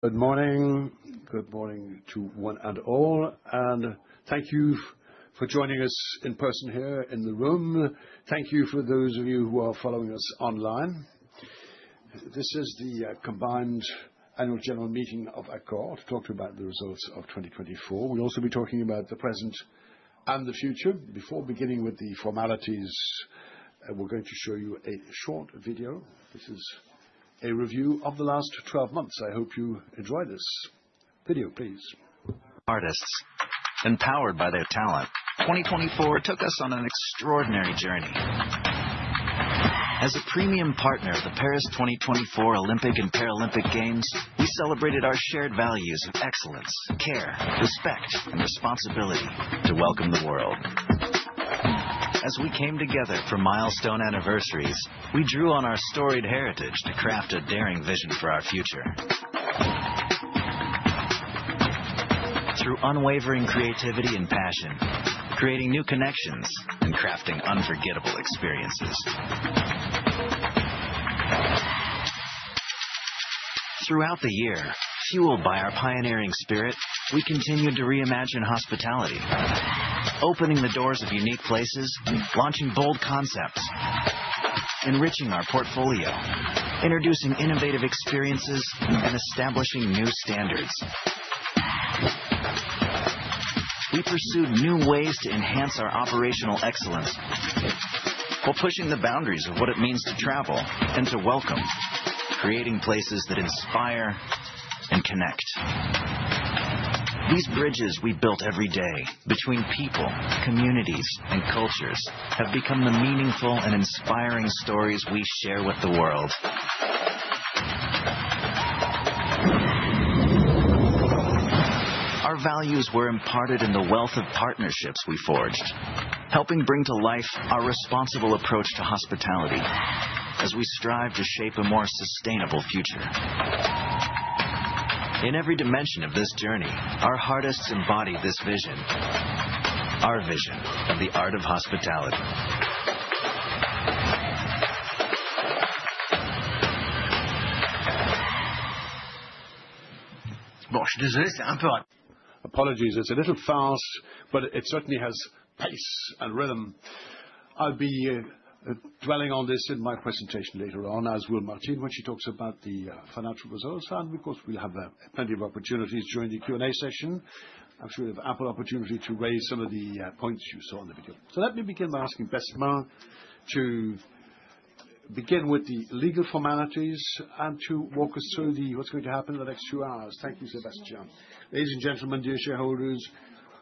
Good morning. Good morning to one and all, and thank you for joining us in person here in the room. Thank you for those of you who are following us online. This is the combined annual general meeting of Accor to talk to you about the results of 2024. We'll also be talking about the present and the future. Before beginning with the formalities, we're going to show you a short video. This is a review of the last 12 months. I hope you enjoy this video, please. Artists, empowered by their talent, 2024 took us on an extraordinary journey. As a premium partner of the Paris 2024 Olympic and Paralympic Games, we celebrated our shared values of excellence, care, respect, and responsibility to welcome the world. As we came together for milestone anniversaries, we drew on our storied heritage to craft a daring vision for our future. Through unwavering creativity and passion, creating new connections and crafting unforgettable experiences. Throughout the year, fueled by our pioneering spirit, we continued to reimagine hospitality, opening the doors of unique places, launching bold concepts, enriching our portfolio, introducing innovative experiences, and establishing new standards. We pursued new ways to enhance our operational excellence while pushing the boundaries of what it means to travel and to welcome, creating places that inspire and connect. These bridges we built every day between people, communities, and cultures have become the meaningful and inspiring stories we share with the world. Our values were imparted in the wealth of partnerships we forged, helping bring to life our responsible approach to hospitality as we strive to shape a more sustainable future. In every dimension of this journey, our Heartists embodied this vision, our vision of the art of hospitality. Apologies, it's a little fast, but it certainly has pace and rhythm. I'll be dwelling on this in my presentation later on, as will Martine when she talks about the financial results. Of course, we'll have plenty of opportunities during the Q&A session. I'm sure you'll have ample opportunity to raise some of the points you saw in the video. Let me begin by asking Besma to begin with the legal formalities and to walk us through what's going to happen in the next few hours. Thank you, Sébastien. Ladies and gentlemen, dear shareholders,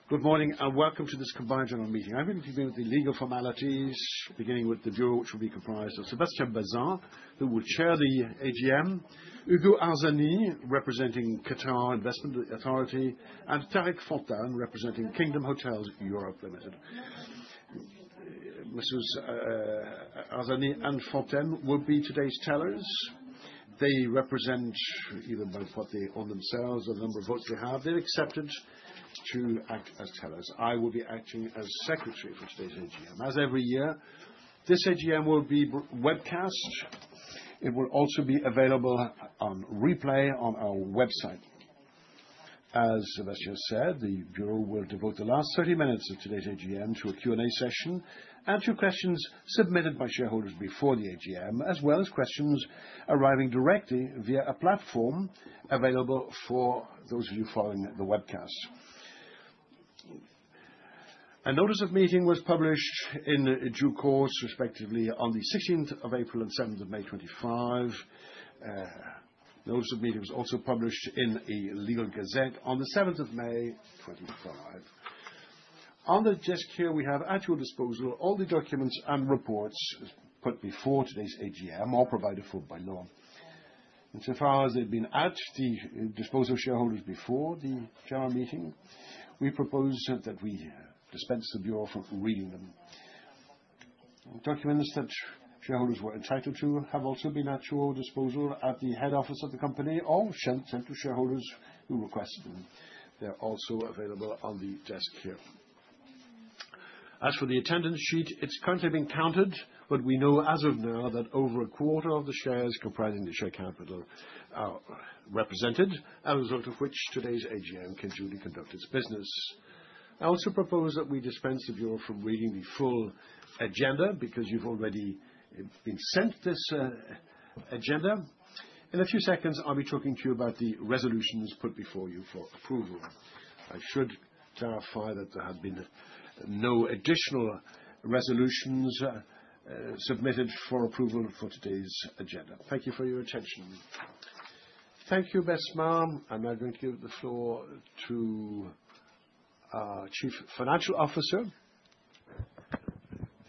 good morning and welcome to this combined general meeting. I'm going to begin with the legal formalities, beginning with the bureau which will be comprised of Sébastien Bazin, who will chair the AGM, Hugo Arzani, representing Qatar Investment Authority, and Tariq Malas, representing Kingdom Hotels Europe Limited. Monsieur Arzani and Fontane will be today's tellers. They represent either by voting on themselves or the number of votes they have. They are accepted to act as tellers. I will be acting as secretary for today's AGM. As every year, this AGM will be webcast. It will also be available on replay on our website. As Sébastien said, the bureau will devote the last 30 minutes of today's AGM to a Q&A session and to questions submitted by shareholders before the AGM, as well as questions arriving directly via a platform available for those of you following the webcast. A notice of meeting was published in due course, respectively, on the 16th of April and 7th of May 2025. Notice of meeting was also published in a legal gazette on the 7th of May 2025. On the desk here, we have at your disposal all the documents and reports put before today's AGM or provided for by law. Insofar as they have been at the disposal of shareholders before the general meeting, we propose that we dispense the bureau from reading them. Documents that shareholders were entitled to have also been at your disposal at the head office of the company or sent to shareholders who request them. They are also available on the desk here. As for the attendance sheet, it is currently being counted, but we know as of now that over a quarter of the shares comprising the share capital are represented, as a result of which today's AGM can truly conduct its business. I also propose that we dispense the bureau from reading the full agenda because you have already been sent this agenda. In a few seconds, I'll be talking to you about the resolutions put before you for approval. I should clarify that there have been no additional resolutions submitted for approval for today's agenda. Thank you for your attention. Thank you, Besma. I'm now going to give the floor to our Chief Financial Officer,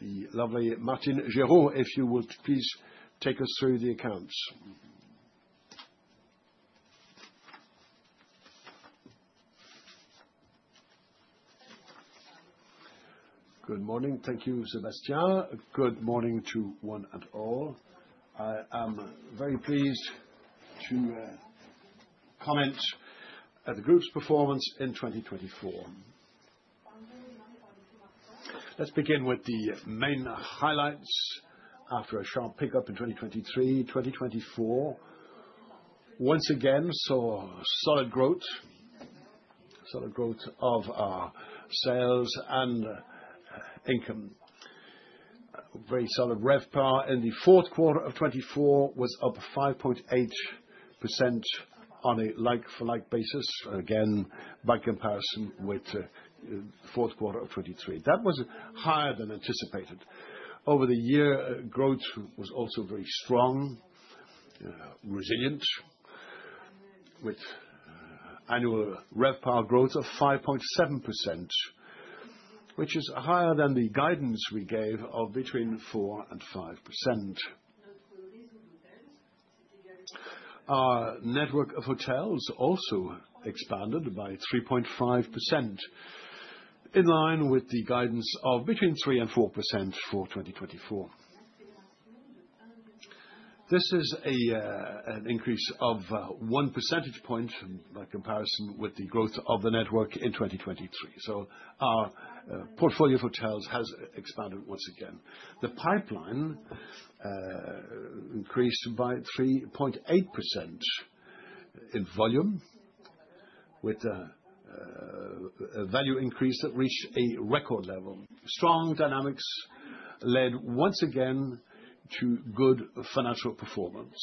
the lovely Martine Gerow, if you would please take us through the accounts. Good morning. Thank you, Sébastien. Good morning to one and all. I am very pleased to comment at the group's performance in 2024. Let's begin with the main highlights after a sharp pickup in 2023. 2024 once again saw solid growth, solid growth of our sales and income. Very solid RevPAR in the fourth quarter of 2024 was up 5.8% on a like-for-like basis, again by comparison with the fourth quarter of 2023. That was higher than anticipated. Over the year, growth was also very strong, resilient, with annual RevPAR growth of 5.7%, which is higher than the guidance we gave of between 4% and 5%. Our network of hotels also expanded by 3.5% in line with the guidance of between 3% and 4% for 2024. This is an increase of one percentage point by comparison with the growth of the network in 2023. Our portfolio of hotels has expanded once again. The pipeline increased by 3.8% in volume, with a value increase that reached a record level. Strong dynamics led once again to good financial performance.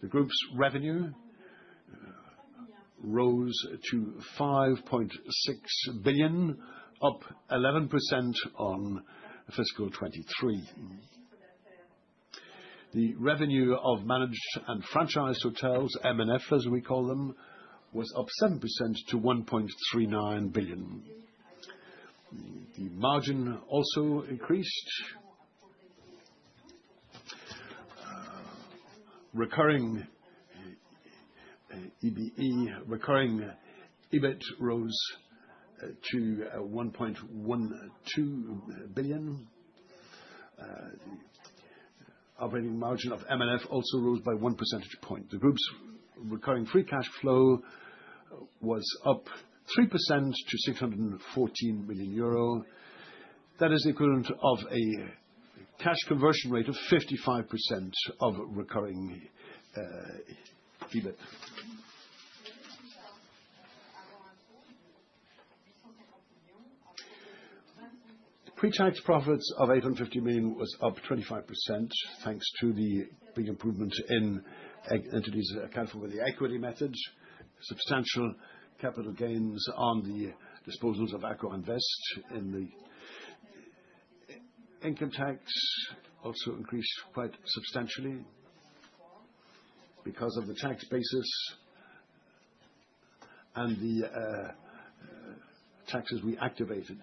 The group's revenue rose to 5.6 billion, up 11% on fiscal 2023. The revenue of managed and franchised hotels, M&F as we call them, was up 7% to 1.39 billion. The margin also increased. Recurring EBIT rose to EUR 1.12 billion. The operating margin of M&F also rose by one percentage point. The group's recurring free cash flow was up 3% to 614 million euro. That is the equivalent of a cash conversion rate of 55% of recurring EBIT. Pre-tax profits of 850 million was up 25% thanks to the big improvement in entities accountable with the equity method. Substantial capital gains on the disposals of Accor Invest in the income tax also increased quite substantially because of the tax basis and the taxes we activated.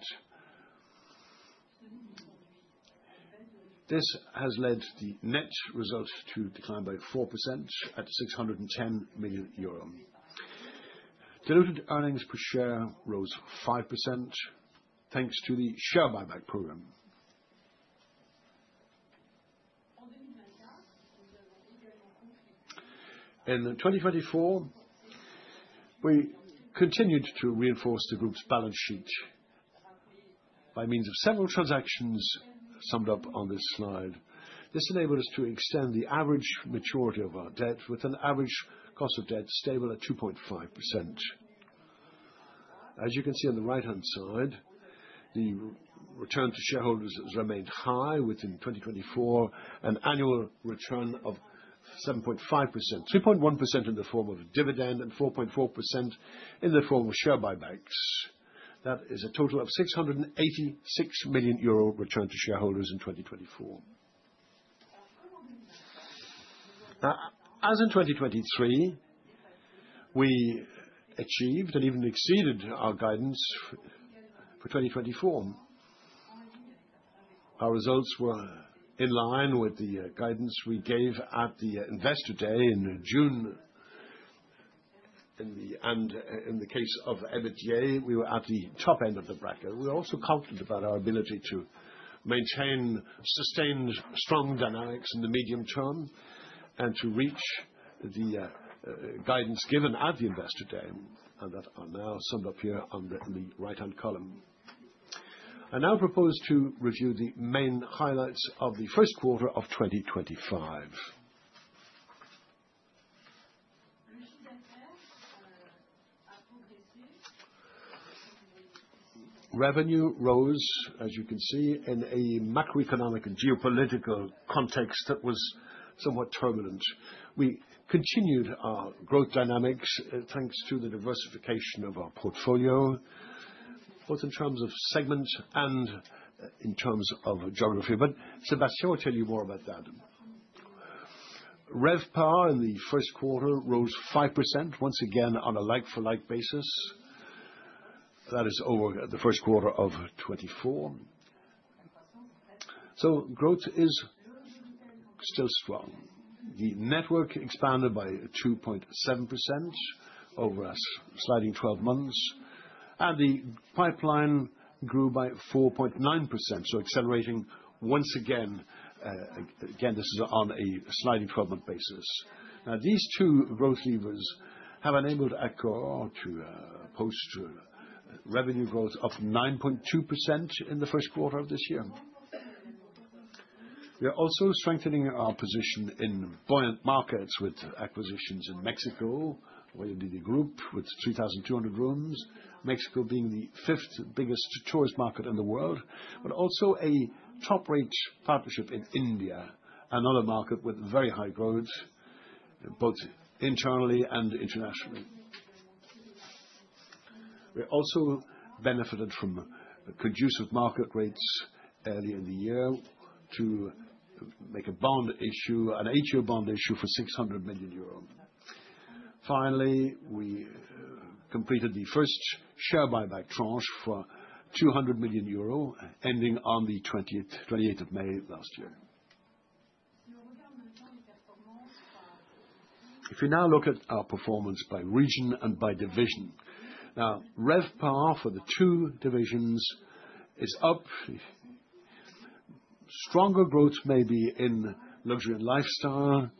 This has led the net result to decline by 4% at 610 million euro. Diluted earnings per share rose 5% thanks to the share buyback program. In 2024, we continued to reinforce the group's balance sheet by means of several transactions summed up on this slide. This enabled us to extend the average maturity of our debt with an average cost of debt stable at 2.5%. As you can see on the right-hand side, the return to shareholders has remained high within 2024, an annual return of 7.5%, 3.1% in the form of dividend and 4.4% in the form of share buybacks. That is a total of 686 million euro return to shareholders in 2024. As in 2023, we achieved and even exceeded our guidance for 2024. Our results were in line with the guidance we gave at the investor day in June, and in the case of M&A, we were at the top end of the bracket. We were also confident about our ability to maintain, sustain strong dynamics in the medium term and to reach the guidance given at the investor day that are now summed up here on the right-hand column. I now propose to review the main highlights of the first quarter of 2025. Revenue rose, as you can see, in a macroeconomic and geopolitical context that was somewhat turbulent. We continued our growth dynamics thanks to the diversification of our portfolio, both in terms of segment and in terms of geography. Sébastien will tell you more about that. RevPAR in the first quarter rose 5% once again on a like-for-like basis. That is over the first quarter of 2024. Growth is still strong. The network expanded by 2.7% over a sliding 12 months, and the pipeline grew by 4.9%, accelerating once again. This is on a sliding 12-month basis. These two growth levers have enabled Accor to post revenue growth of 9.2% in the first quarter of this year. We are also strengthening our position in buoyant markets with acquisitions in Mexico, with the group with 3,200 rooms, Mexico being the fifth biggest tourist market in the world, but also a top-rate partnership in India, another market with very high growth both internally and internationally. We also benefited from conducive market rates early in the year to make a bond issue, HU bond issue for 600 million euros. Finally, we completed the first share buyback tranche for 200 million euro, ending on the 28th of May last year. If we now look at our performance by region and by division, now RevPAR for the two divisions is up. Stronger growth may be in luxury and lifestyle,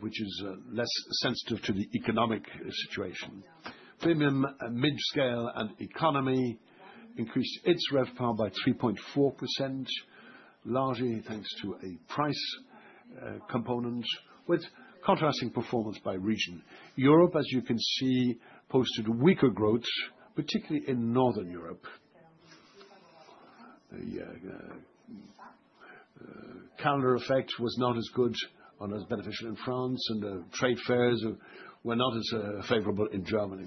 which is less sensitive to the economic situation. Premium, mid-scale, and economy increased its RevPAR by 3.4%, largely thanks to a price component, with contrasting performance by region. Europe, as you can see, posted weaker growth, particularly in northern Europe. The calendar effect was not as good or as beneficial in France, and trade fairs were not as favorable in Germany.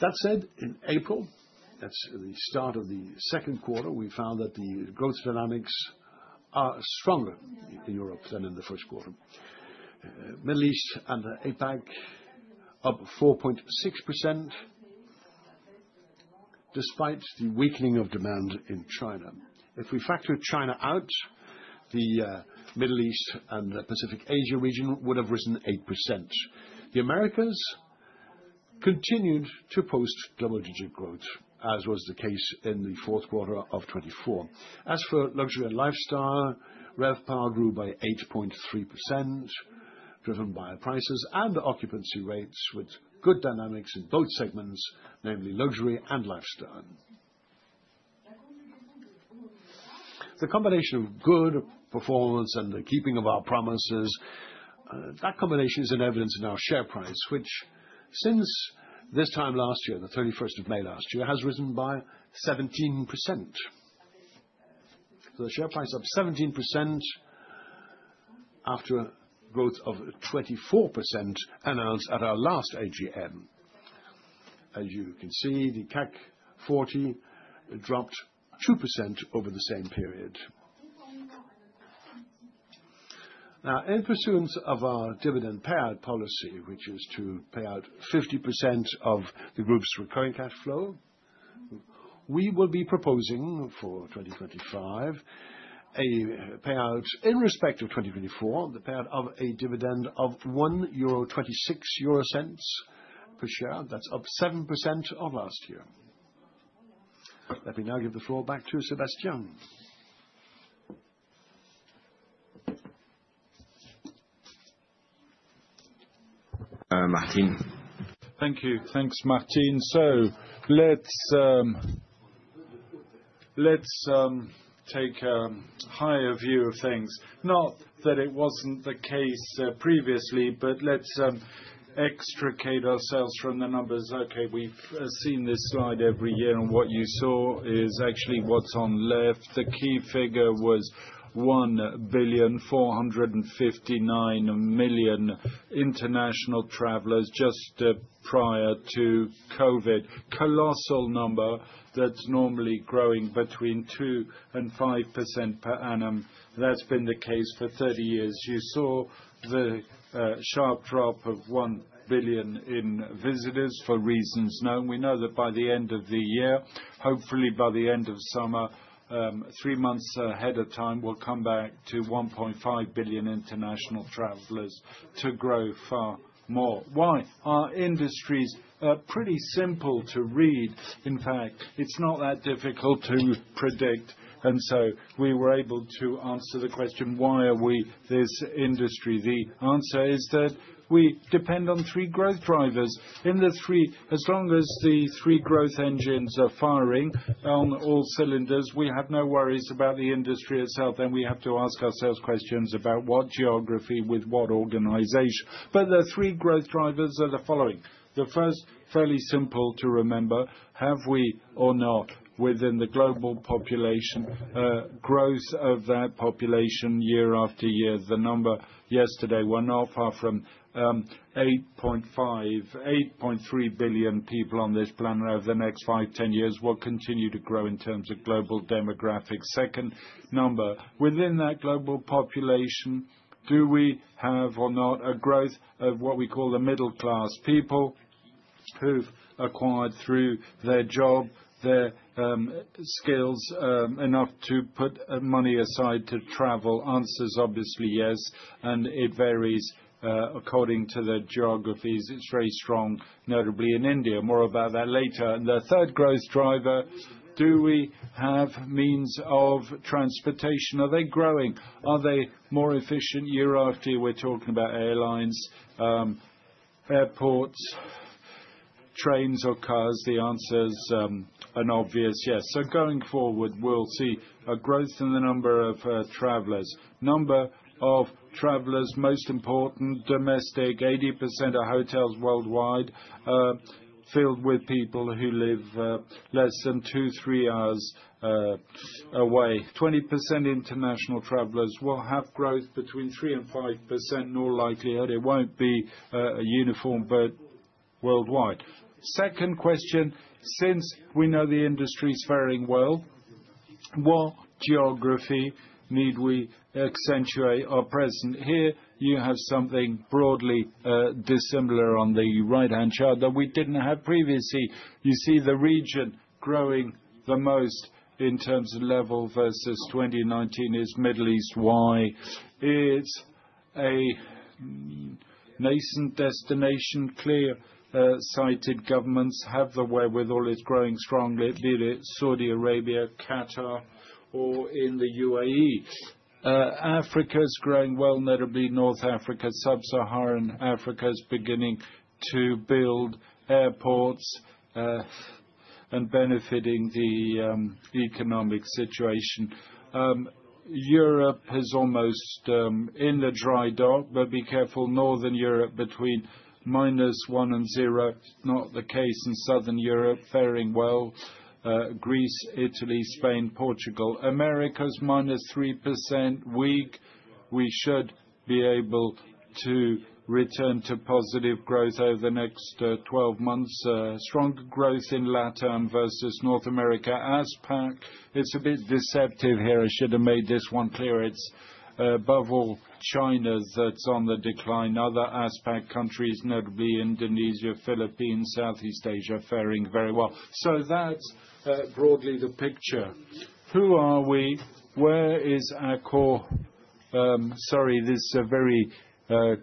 That said, in April, that's the start of the second quarter, we found that the growth dynamics are stronger in Europe than in the first quarter. Middle East and APAC up 4.6% despite the weakening of demand in China. If we factor China out, the Middle East and Pacific Asia region would have risen 8%. The Americas continued to post double-digit growth, as was the case in the fourth quarter of 2024. As for luxury and lifestyle, RevPAR grew by 8.3%, driven by prices and occupancy rates, with good dynamics in both segments, namely luxury and lifestyle. The combination of good performance and the keeping of our promises, that combination is in evidence in our share price, which since this time last year, the 31st of May last year, has risen by 17%. The share price up 17% after a growth of 24% announced at our last AGM. As you can see, the CAC 40 dropped 2% over the same period. Now, in pursuance of our dividend payout policy, which is to pay out 50% of the group's recurring cash flow, we will be proposing for 2025 a payout in respect of 2024, the payout of a dividend of 1.26 euro per share. That's up 7% off last year. Let me now give the floor back to Sébastien. Martine. Thank you. Thanks, Martine. Let's take a higher view of things. Not that it was not the case previously, but let's extricate ourselves from the numbers. Okay, we have seen this slide every year, and what you saw is actually what is on left. The key figure was 1,459,000,000 l international travelers just prior to COVID. Colossal number that is normally growing between 2% and 5% per annum. That has been the case for 30 years. You saw the sharp drop of 1 billion in visitors for reasons known. We know that by the end of the year, hopefully by the end of summer, three months ahead of time, we will come back to 1.5 billion international travelers to grow far more. Why? Our industry is pretty simple to read. In fact, it is not that difficult to predict. We were able to answer the question, why are we this industry? The answer is that we depend on three growth drivers. As long as the three growth engines are firing on all cylinders, we have no worries about the industry itself. We have to ask ourselves questions about what geography with what organization. The three growth drivers are the following. The first, fairly simple to remember, have we or not within the global population, growth of that population year after year. The number yesterday were not far from 8.3 billion people on this planet over the next 5 years-10 years will continue to grow in terms of global demographics. Second number, within that global population, do we have or not a growth of what we call the middle-class people who've acquired through their job, their skills enough to put money aside to travel? Answer is obviously yes, and it varies according to the geographies. It's very strong, notably in India. More about that later. The third growth driver, do we have means of transportation? Are they growing? Are they more efficient year after year? We're talking about airlines, airports, trains, or cars. The answer is an obvious yes. Going forward, we'll see a growth in the number of travelers. Number of travelers, most important, domestic, 80% of hotels worldwide filled with people who live less than two, three hours away. 20% international travelers will have growth between 3% and 5%, more likely. It won't be uniform, but worldwide. Second question, since we know the industry is fairing well, what geography need we accentuate or present? Here you have something broadly dissimilar on the right-hand chart that we didn't have previously. You see the region growing the most in terms of level versus 2019 is Middle East. Why? It's a nascent destination. Clear-sighted governments have the wherewithal. It's growing strongly, be it Saudi Arabia, Qatar, or in the UAE. Africa is growing well, notably North Africa, Sub-Saharan Africa is beginning to build airports and benefiting the economic situation. Europe is almost in the dry dock, but be careful. Northern Europe between minus 1 and zero, not the case in Southern Europe, faring well. Greece, Italy, Spain, Portugal. America's -3%. We should be able to return to positive growth over the next 12 months. Strong growth in Latin versus North America. ASPAC, it's a bit deceptive here. I should have made this one clear. It's above all China that's on the decline. Other ASPAC countries, notably Indonesia, Philippines, Southeast Asia, faring very well. That's broadly the picture. Who are we? Where is Accor? Sorry, this is a very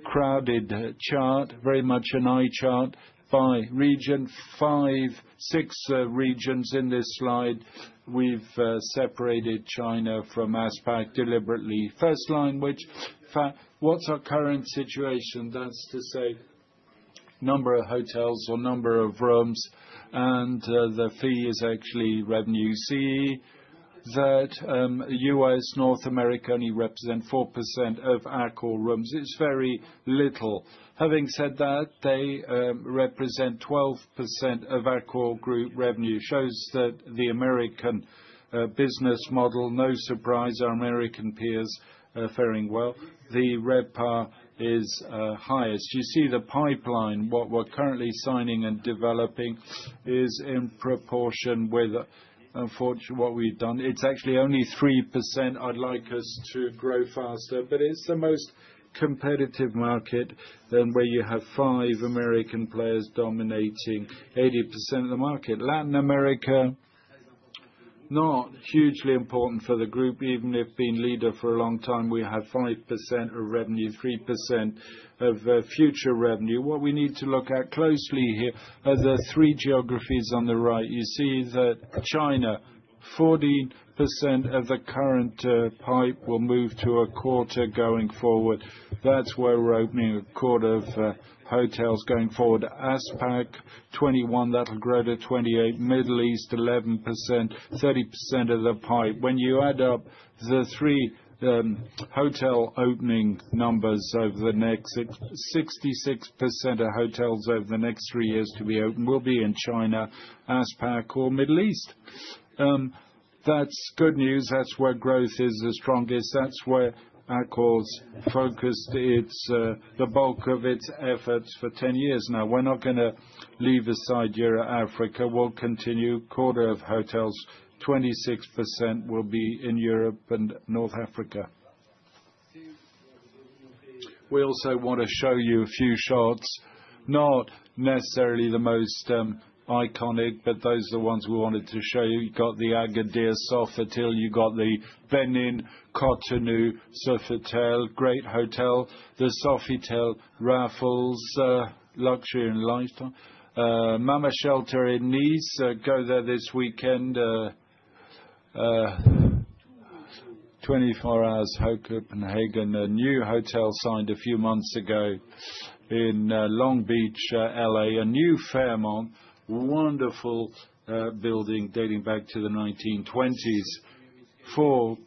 crowded chart, very much an eye chart by region. Five, six regions in this slide. We've separated China from ASPAC deliberately. First line, which, in fact, what's our current situation? That's to say number of hotels or number of rooms, and the fee is actually revenue. See that U.S., North America only represent 4% of Accor rooms. It's very little. Having said that, they represent 12% of Accor group revenue. Shows that the American business model, no surprise, our American peers are faring well. The RevPAR is highest. You see the pipeline, what we're currently signing and developing is in proportion with, unfortunately, what we've done. It's actually only 3%. I'd like us to grow faster, but it's the most competitive market where you have five American players dominating 80% of the market. Latin America, not hugely important for the group, even if being leader for a long time. We have 5% of revenue, 3% of future revenue. What we need to look at closely here are the three geographies on the right. You see that China, 14% of the current pipe will move to a quarter going forward. That's where we're opening a quarter of hotels going forward. ASPAC, 21, that'll grow to 28. Middle East, 11%, 30% of the pipe. When you add up the three hotel opening numbers over the next 66% of hotels over the next three years to be open will be in China, ASPAC, or Middle East. That's good news. That's where growth is the strongest. That's where Accor's focused the bulk of its efforts for 10 years now. We're not going to leave aside Europe, Africa. We'll continue a quarter of hotels, 26% will be in Europe and North Africa. We also want to show you a few shots, not necessarily the most iconic, but those are the ones we wanted to show you. You got the Agadir Sofitel, you got the Benin Cotonou Sofitel, great hotel, the Sofitel Raffles Luxury and Lifestyle, Mama Shelter in Nice. Go there this weekend. 24 Hours Hockey, Copenhagen, a new hotel signed a few months ago in Long Beach, LA. A new Fairmont, wonderful building dating back to the 1920s. For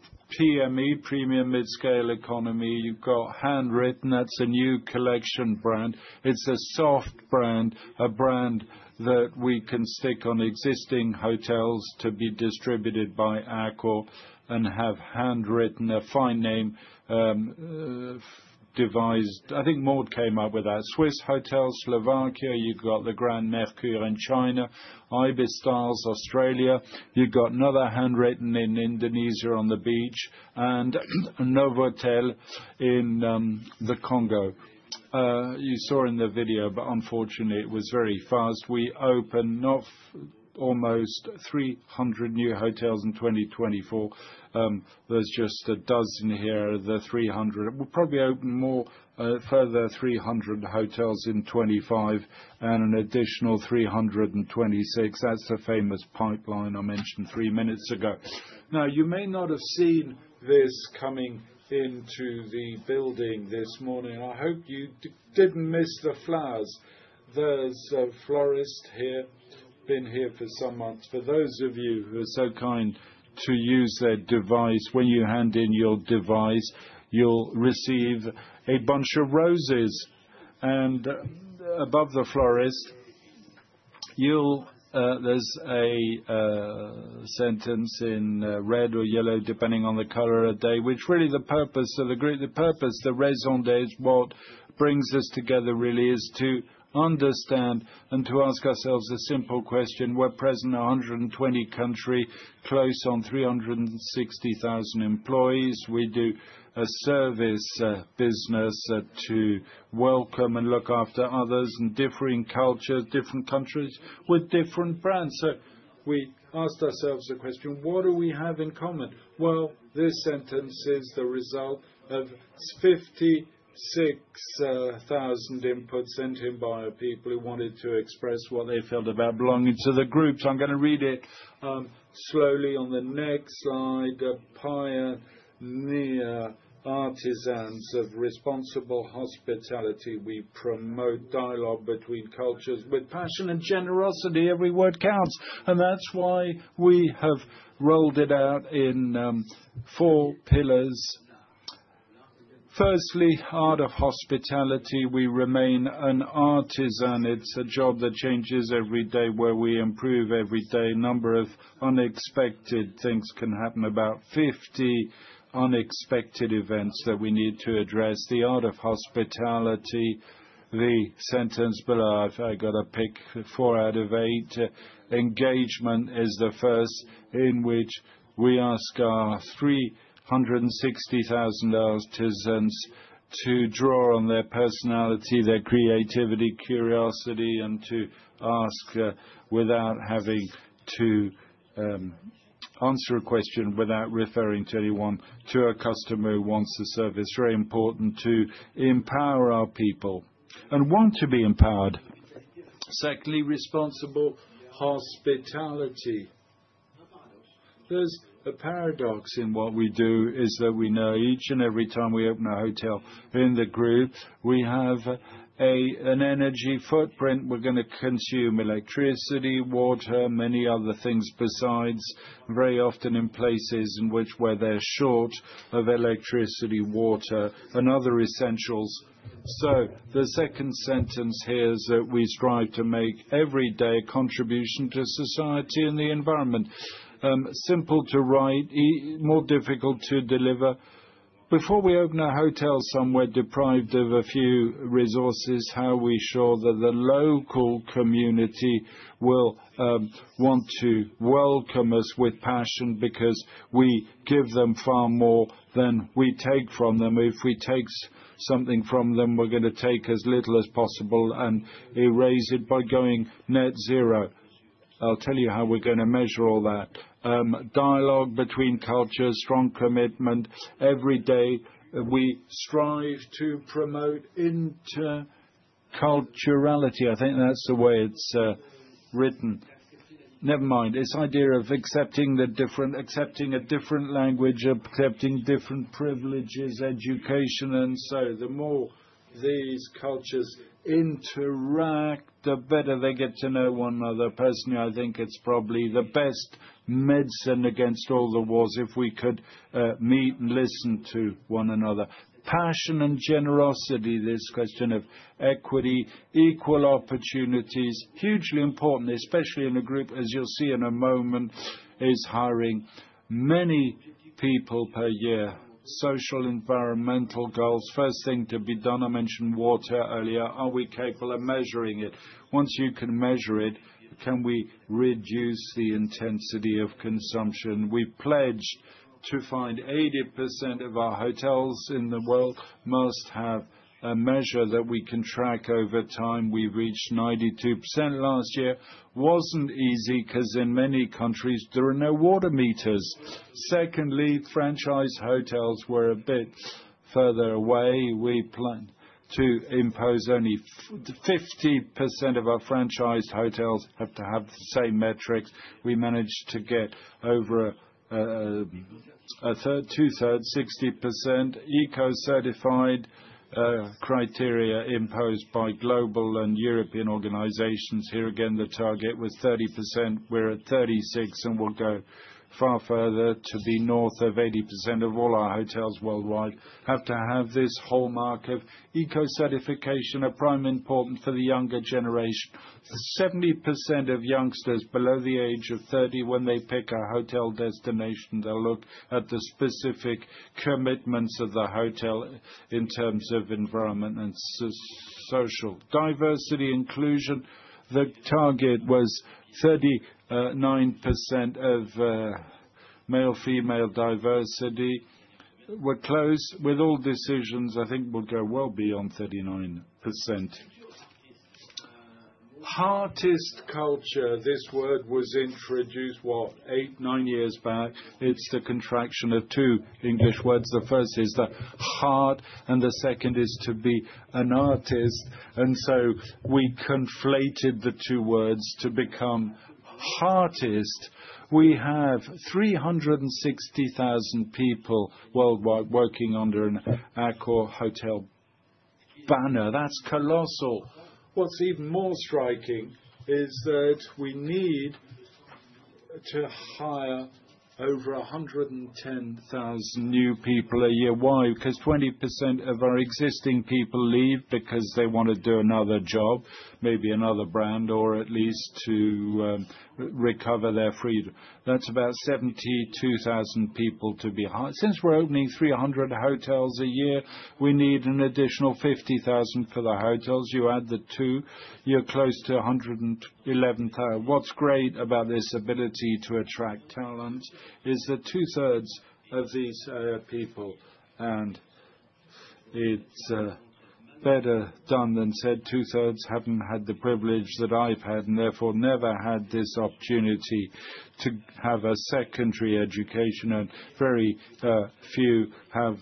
PME, premium, mid-scale economy, you've got Handwritten. That's a new collection brand. It's a soft brand, a brand that we can stick on existing hotels to be distributed by Accor and have Handwritten, a fine name devised. I think Maud came up with that. Swissôtel, Slovakia, you've got the Grand Mercure in China. Ibis Styles, Australia. You've got another Handwritten in Indonesia on the beach and Novotel in the Congo. You saw in the video, but unfortunately, it was very fast. We opened almost 300 new hotels in 2024. There's just a dozen here, the 300. We'll probably open more, further 300 hotels in 2025 and an additional 326. That's the famous pipeline I mentioned three minutes ago. Now, you may not have seen this coming into the building this morning. I hope you didn't miss the flowers. There's a florist here, been here for some months. For those of you who are so kind to use their device, when you hand in your device, you'll receive a bunch of roses. Above the florist, there's a sentence in red or yellow, depending on the color of day, which really is the purpose of the group, the purpose, the raison d'être, what brings us together really is to understand and to ask ourselves a simple question. We're present in 120 countries, close on 360,000 employees. We do a service business to welcome and look after others and differing cultures, different countries with different brands. We asked ourselves a question, what do we have in common? This sentence is the result of 56,000 inputs sent in by people who wanted to express what they felt about belonging to the groups. I'm going to read it slowly on the next slide. Pioneer, artisans of responsible hospitality. We promote dialogue between cultures with passion and generosity. Every word counts. That's why we have rolled it out in four pillars. Firstly, art of hospitality. We remain an artisan. It's a job that changes every day, where we improve every day. Number of unexpected things can happen, about 50 unexpected events that we need to address. The art of hospitality, the sentence below, I've got to pick four out of eight. Engagement is the first in which we ask our 360,000 artisans to draw on their personality, their creativity, curiosity, and to ask without having to answer a question, without referring to anyone, to a customer who wants the service. Very important to empower our people and want to be empowered. Secondly, responsible hospitality. There's a paradox in what we do is that we know each and every time we open a hotel in the group, we have an energy footprint. We're going to consume electricity, water, many other things besides, very often in places where they're short of electricity, water, and other essentials. The second sentence here is that we strive to make every day a contribution to society and the environment. Simple to write, more difficult to deliver. Before we open a hotel somewhere deprived of a few resources, how are we sure that the local community will want to welcome us with passion because we give them far more than we take from them? If we take something from them, we're going to take as little as possible and erase it by going net zero. I'll tell you how we're going to measure all that. Dialogue between cultures, strong commitment. Every day we strive to promote interculturality. I think that's the way it's written. Never mind. This idea of accepting a different language, accepting different privileges, education, and so the more these cultures interact, the better they get to know one another. Personally, I think it's probably the best medicine against all the wars if we could meet and listen to one another. Passion and generosity, this question of equity, equal opportunities, hugely important, especially in a group, as you'll see in a moment, is hiring many people per year. Social, environmental goals. First thing to be done, I mentioned water earlier. Are we capable of measuring it? Once you can measure it, can we reduce the intensity of consumption? We pledged to find 80% of our hotels in the world must have a measure that we can track over time. We reached 92% last year. Wasn't easy because in many countries, there are no water meters. Secondly, franchise hotels were a bit further away. We plan to impose only 50% of our franchised hotels have to have the same metrics. We managed to get over a two-thirds, 60%, eco-certified criteria imposed by global and European organizations. Here again, the target was 30%. We're at 36%, and we'll go far further to be north of 80% of all our hotels worldwide. Have to have this hallmark of eco-certification, a prime important for the younger generation. 70% of youngsters below the age of 30, when they pick a hotel destination, they'll look at the specific commitments of the hotel in terms of environment and social diversity, inclusion. The target was 39% of male-female diversity. We're close with all decisions. I think we'll go well beyond 39%. Heartist culture. This word was introduced, what, eight, nine years back. It's the contraction of two English words. The first is the heart, and the second is to be an artist. We conflated the two words to become heartist. We have 360,000 people worldwide working under an Accor Hotel banner. That's colossal. What's even more striking is that we need to hire over 110,000 new people a year. Why? Because 20% of our existing people leave because they want to do another job, maybe another brand, or at least to recover their freedom. That's about 72,000 people to be hired. Since we're opening 300 hotels a year, we need an additional 50,000 for the hotels. You add the two, you're close to 111,000. What's great about this ability to attract talent is that two-thirds of these people, and it's better done than said. Two-thirds haven't had the privilege that I've had and therefore never had this opportunity to have a secondary education, and very few have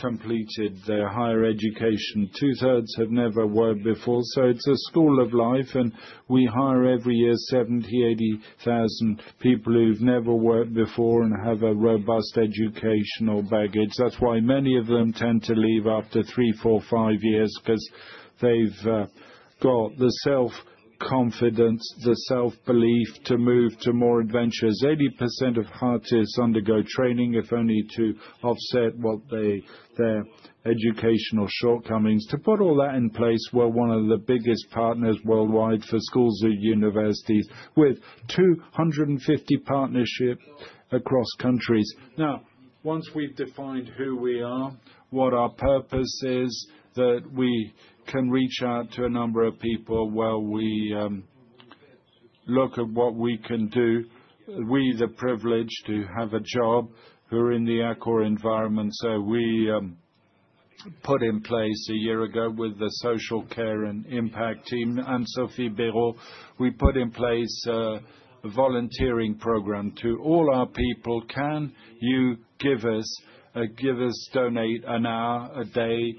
completed their higher education. Two-thirds have never worked before. So it's a school of life, and we hire every year 70,000-80,000 people who've never worked before and have a robust educational baggage. That's why many of them tend to leave after three, four, five years because they've got the self-confidence, the self-belief to move to more adventures. 80% of heartists undergo training, if only to offset their educational shortcomings. To put all that in place, we're one of the biggest partners worldwide for schools and universities with 250 partnerships across countries. Now, once we've defined who we are, what our purpose is, that we can reach out to a number of people while we look at what we can do. We are privileged to have a job who are in the Accor environment. We put in place a year ago with the Social Care and Impact team and Sophie Bérault, we put in place a volunteering program to all our people. Can you give us, give us, donate an hour, a day,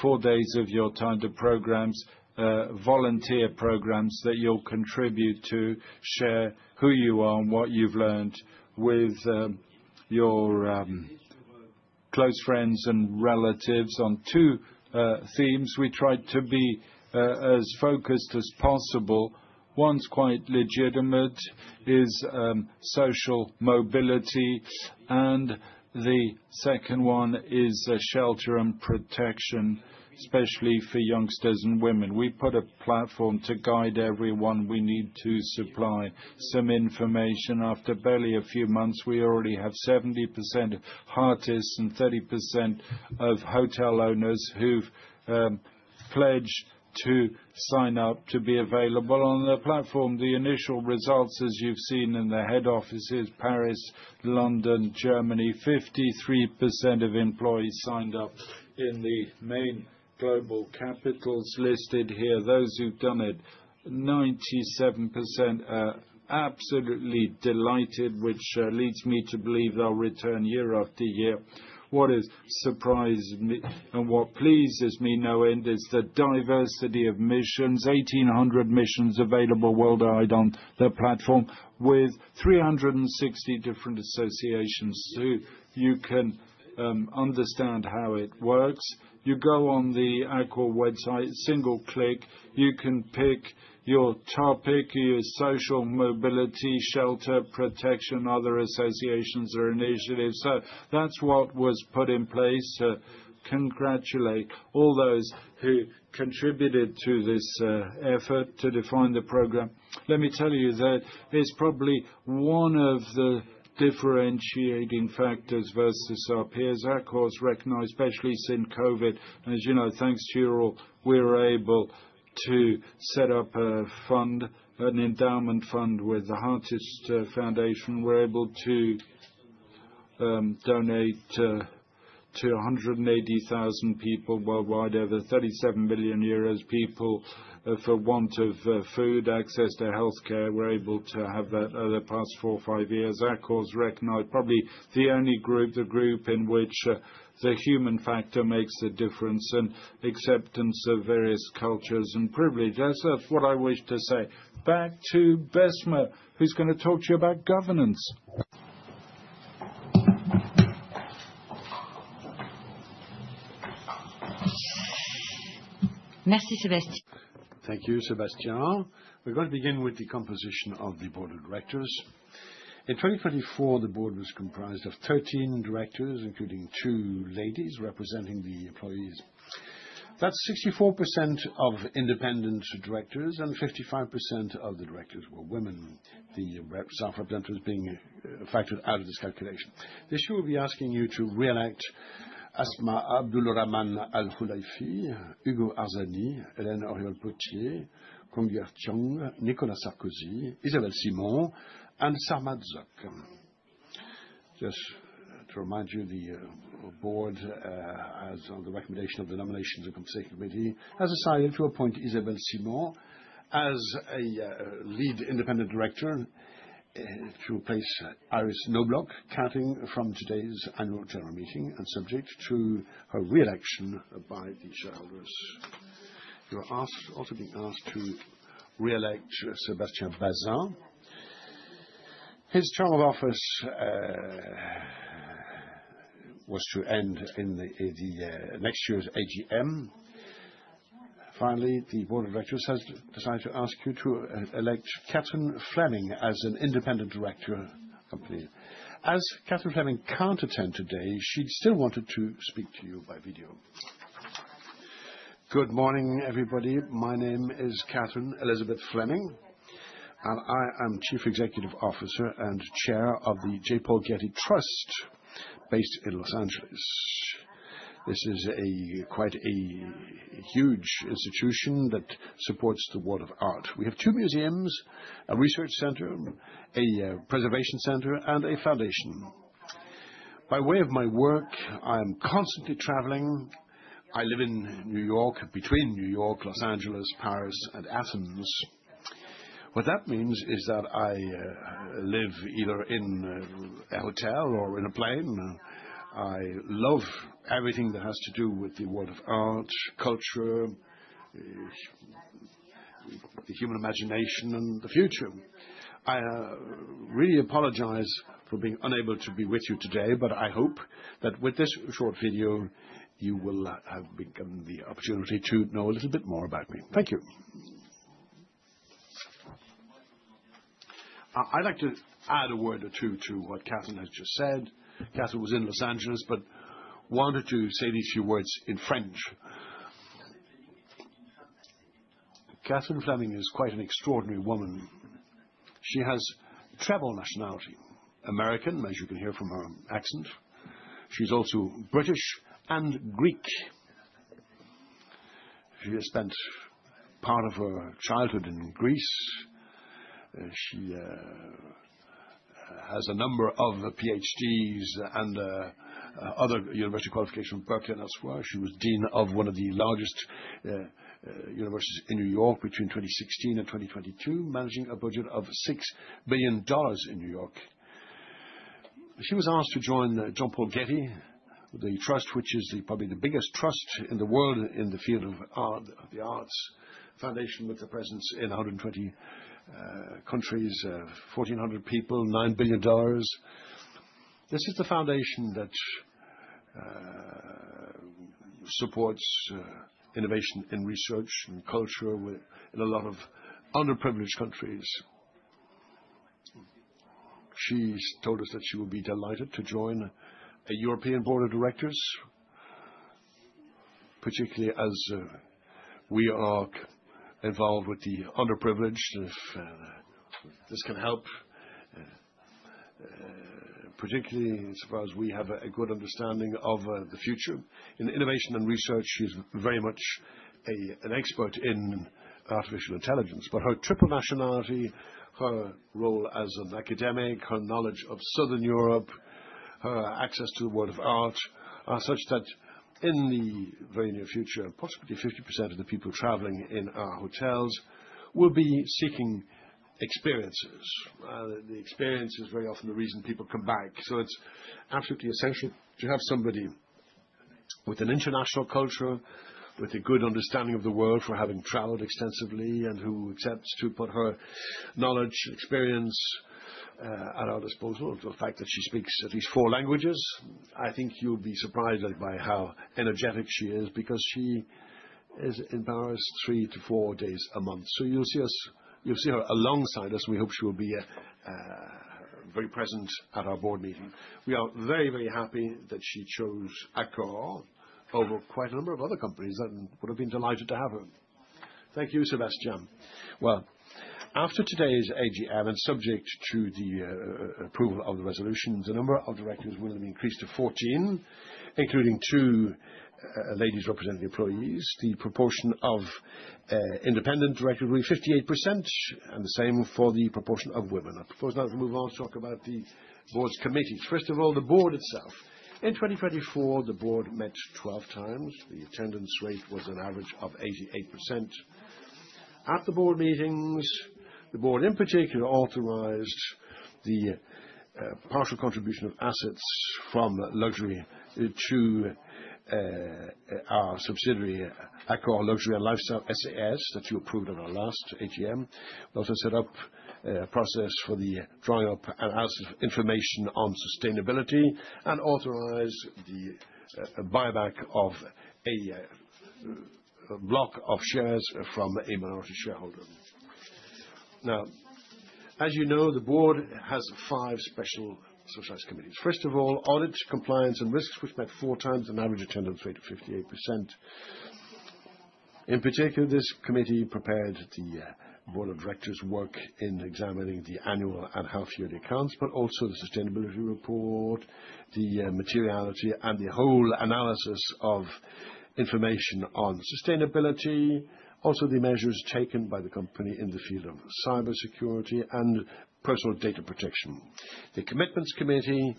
four days of your time to programs, volunteer programs that you'll contribute to, share who you are and what you've learned with your close friends and relatives on two themes. We tried to be as focused as possible. One's quite legitimate is social mobility, and the second one is shelter and protection, especially for youngsters and women. We put a platform to guide everyone. We need to supply some information. After barely a few months, we already have 70% heartists and 30% of hotel owners who've pledged to sign up to be available on the platform. The initial results, as you've seen in the head offices, Paris, London, Germany, 53% of employees signed up in the main global capitals listed here. Those who've done it, 97% are absolutely delighted, which leads me to believe they'll return year after year. What has surprised me and what pleases me no end is the diversity of missions. 1,800 missions available worldwide on the platform with 360 different associations too. You can understand how it works. You go on the Accor website, single click, you can pick your topic, your social mobility, shelter, protection, other associations or initiatives. That is what was put in place. Congratulate all those who contributed to this effort to define the program. Let me tell you that it is probably one of the differentiating factors versus our peers. Accor is recognized, especially since COVID. As you know, thanks to you all, we are able to set up a fund, an endowment fund with the Heartist Foundation. We are able to donate to 180,000 people worldwide, over 37 million euros, people for want of food, access to healthcare. We are able to have that over the past four or five years. Accor's recognized probably the only group, the group in which the human factor makes a difference and acceptance of various cultures and privilege. That's what I wish to say. Back to Besma, who's going to talk to you about governance. Merci, Sébastien. Thank you, Sébastien. We're going to begin with the composition of the board of directors. In 2024, the board was comprised of 13 directors, including two ladies representing the employees. That's 64% of independent directors, and 55% of the directors were women. The self-representatives being factored out of this calculation. This year we'll be asking you to re-elect Asma Abdulrahman Al-Khulaifi, Hugo Arzani, Hélène Auriol-Poitiers, Conguer Tiong, Nicolas Sarkozy, Isabelle Simon, and Sarmazok. Just to remind you, the board, as on the recommendation of the Nominations and Compensation Committee, has decided to appoint Isabelle Simon as Lead Independent Director to replace Iris Knobloch, counting from today's Annual General Meeting and subject to her re-election by the shareholders. You're also being asked to re-elect Sébastien Bazin. His term of office was to end in next year's AGM. Finally, the board of directors has decided to ask you to elect Catherine Fleming as an independent director. As Catherine Fleming can't attend today, she'd still wanted to speak to you by video. Good morning, everybody. My name is Catherine Elizabeth Fleming, and I am Chief Executive Officer and Chair of the J. Paul Getty Trust based in Los Angeles. This is quite a huge institution that supports the world of art. We have two museums, a research center, a preservation center, and a foundation. By way of my work, I am constantly traveling. I live in New York, between New York, Los Angeles, Paris, and Athens. What that means is that I live either in a hotel or in a plane. I love everything that has to do with the world of art, culture, the human imagination, and the future. I really apologize for being unable to be with you today, but I hope that with this short video, you will have the opportunity to know a little bit more about me. Thank you. I'd like to add a word or two to what Catherine has just said. Catherine was in Los Angeles, but wanted to say these few words in French. Catherine Fleming is quite an extraordinary woman. She has a tribal nationality, American, as you can hear from her accent. She's also British and Greek. She has spent part of her childhood in Greece. She has a number of PhDs and other university qualifications from Berkeley and elsewhere. She was dean of one of the largest universities in New York between 2016 and 2022, managing a budget of $6 billion in New York. She was asked to join J. Paul Getty Trust, which is probably the biggest trust in the world in the field of art, the Arts Foundation, with a presence in 120 countries, 1,400 people, $9 billion. This is the foundation that supports innovation in research and culture in a lot of underprivileged countries. She told us that she would be delighted to join a European board of directors, particularly as we are involved with the underprivileged. If this can help, particularly as far as we have a good understanding of the future. In innovation and research, she's very much an expert in artificial intelligence. But her triple nationality, her role as an academic, her knowledge of Southern Europe, her access to the world of art, are such that in the very near future, possibly 50% of the people traveling in our hotels will be seeking experiences. The experience is very often the reason people come back. It is absolutely essential to have somebody with an international culture, with a good understanding of the world, who having traveled extensively and who accepts to put her knowledge, experience at our disposal, the fact that she speaks at least four languages. I think you'll be surprised by how energetic she is because she is in Paris three to four days a month. You'll see her alongside us, and we hope she will be very present at our board meeting. We are very, very happy that she chose Accor over quite a number of other companies that would have been delighted to have her. Thank you, Sébastien. After today's AGM, and subject to the approval of the resolution, the number of directors will have been increased to 14, including two ladies representing employees. The proportion of independent directors will be 58%, and the same for the proportion of women. I propose now to move on to talk about the board's committees. First of all, the board itself. In 2024, the board met 12 times. The attendance rate was an average of 88%. At the board meetings, the board in particular authorized the partial contribution of assets from luxury to our subsidiary, Accor Luxury and Lifestyle SAS, that you approved on our last AGM. We also set up a process for the dry-up and asked information on sustainability and authorized the buyback of a block of shares from a minority shareholder. Now, as you know, the board has five specialized committees. First of all, audit, compliance, and risks, which met four times an average attendance rate of 58%. In particular, this committee prepared the board of directors' work in examining the annual and half-yearly accounts, but also the sustainability report, the materiality, and the whole analysis of information on sustainability. Also, the measures taken by the company in the field of cybersecurity and personal data protection. The commitments committee,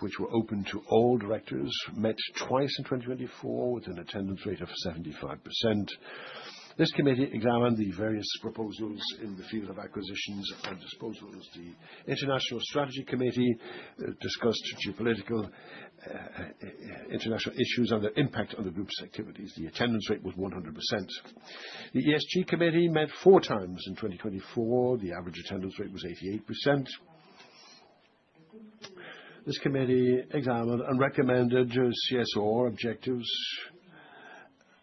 which were open to all directors, met twice in 2024 with an attendance rate of 75%. This committee examined the various proposals in the field of acquisitions and disposals. The international strategy committee discussed geopolitical international issues and their impact on the group's activities. The attendance rate was 100%. The ESG committee met four times in 2024. The average attendance rate was 88%. This committee examined and recommended CSR objectives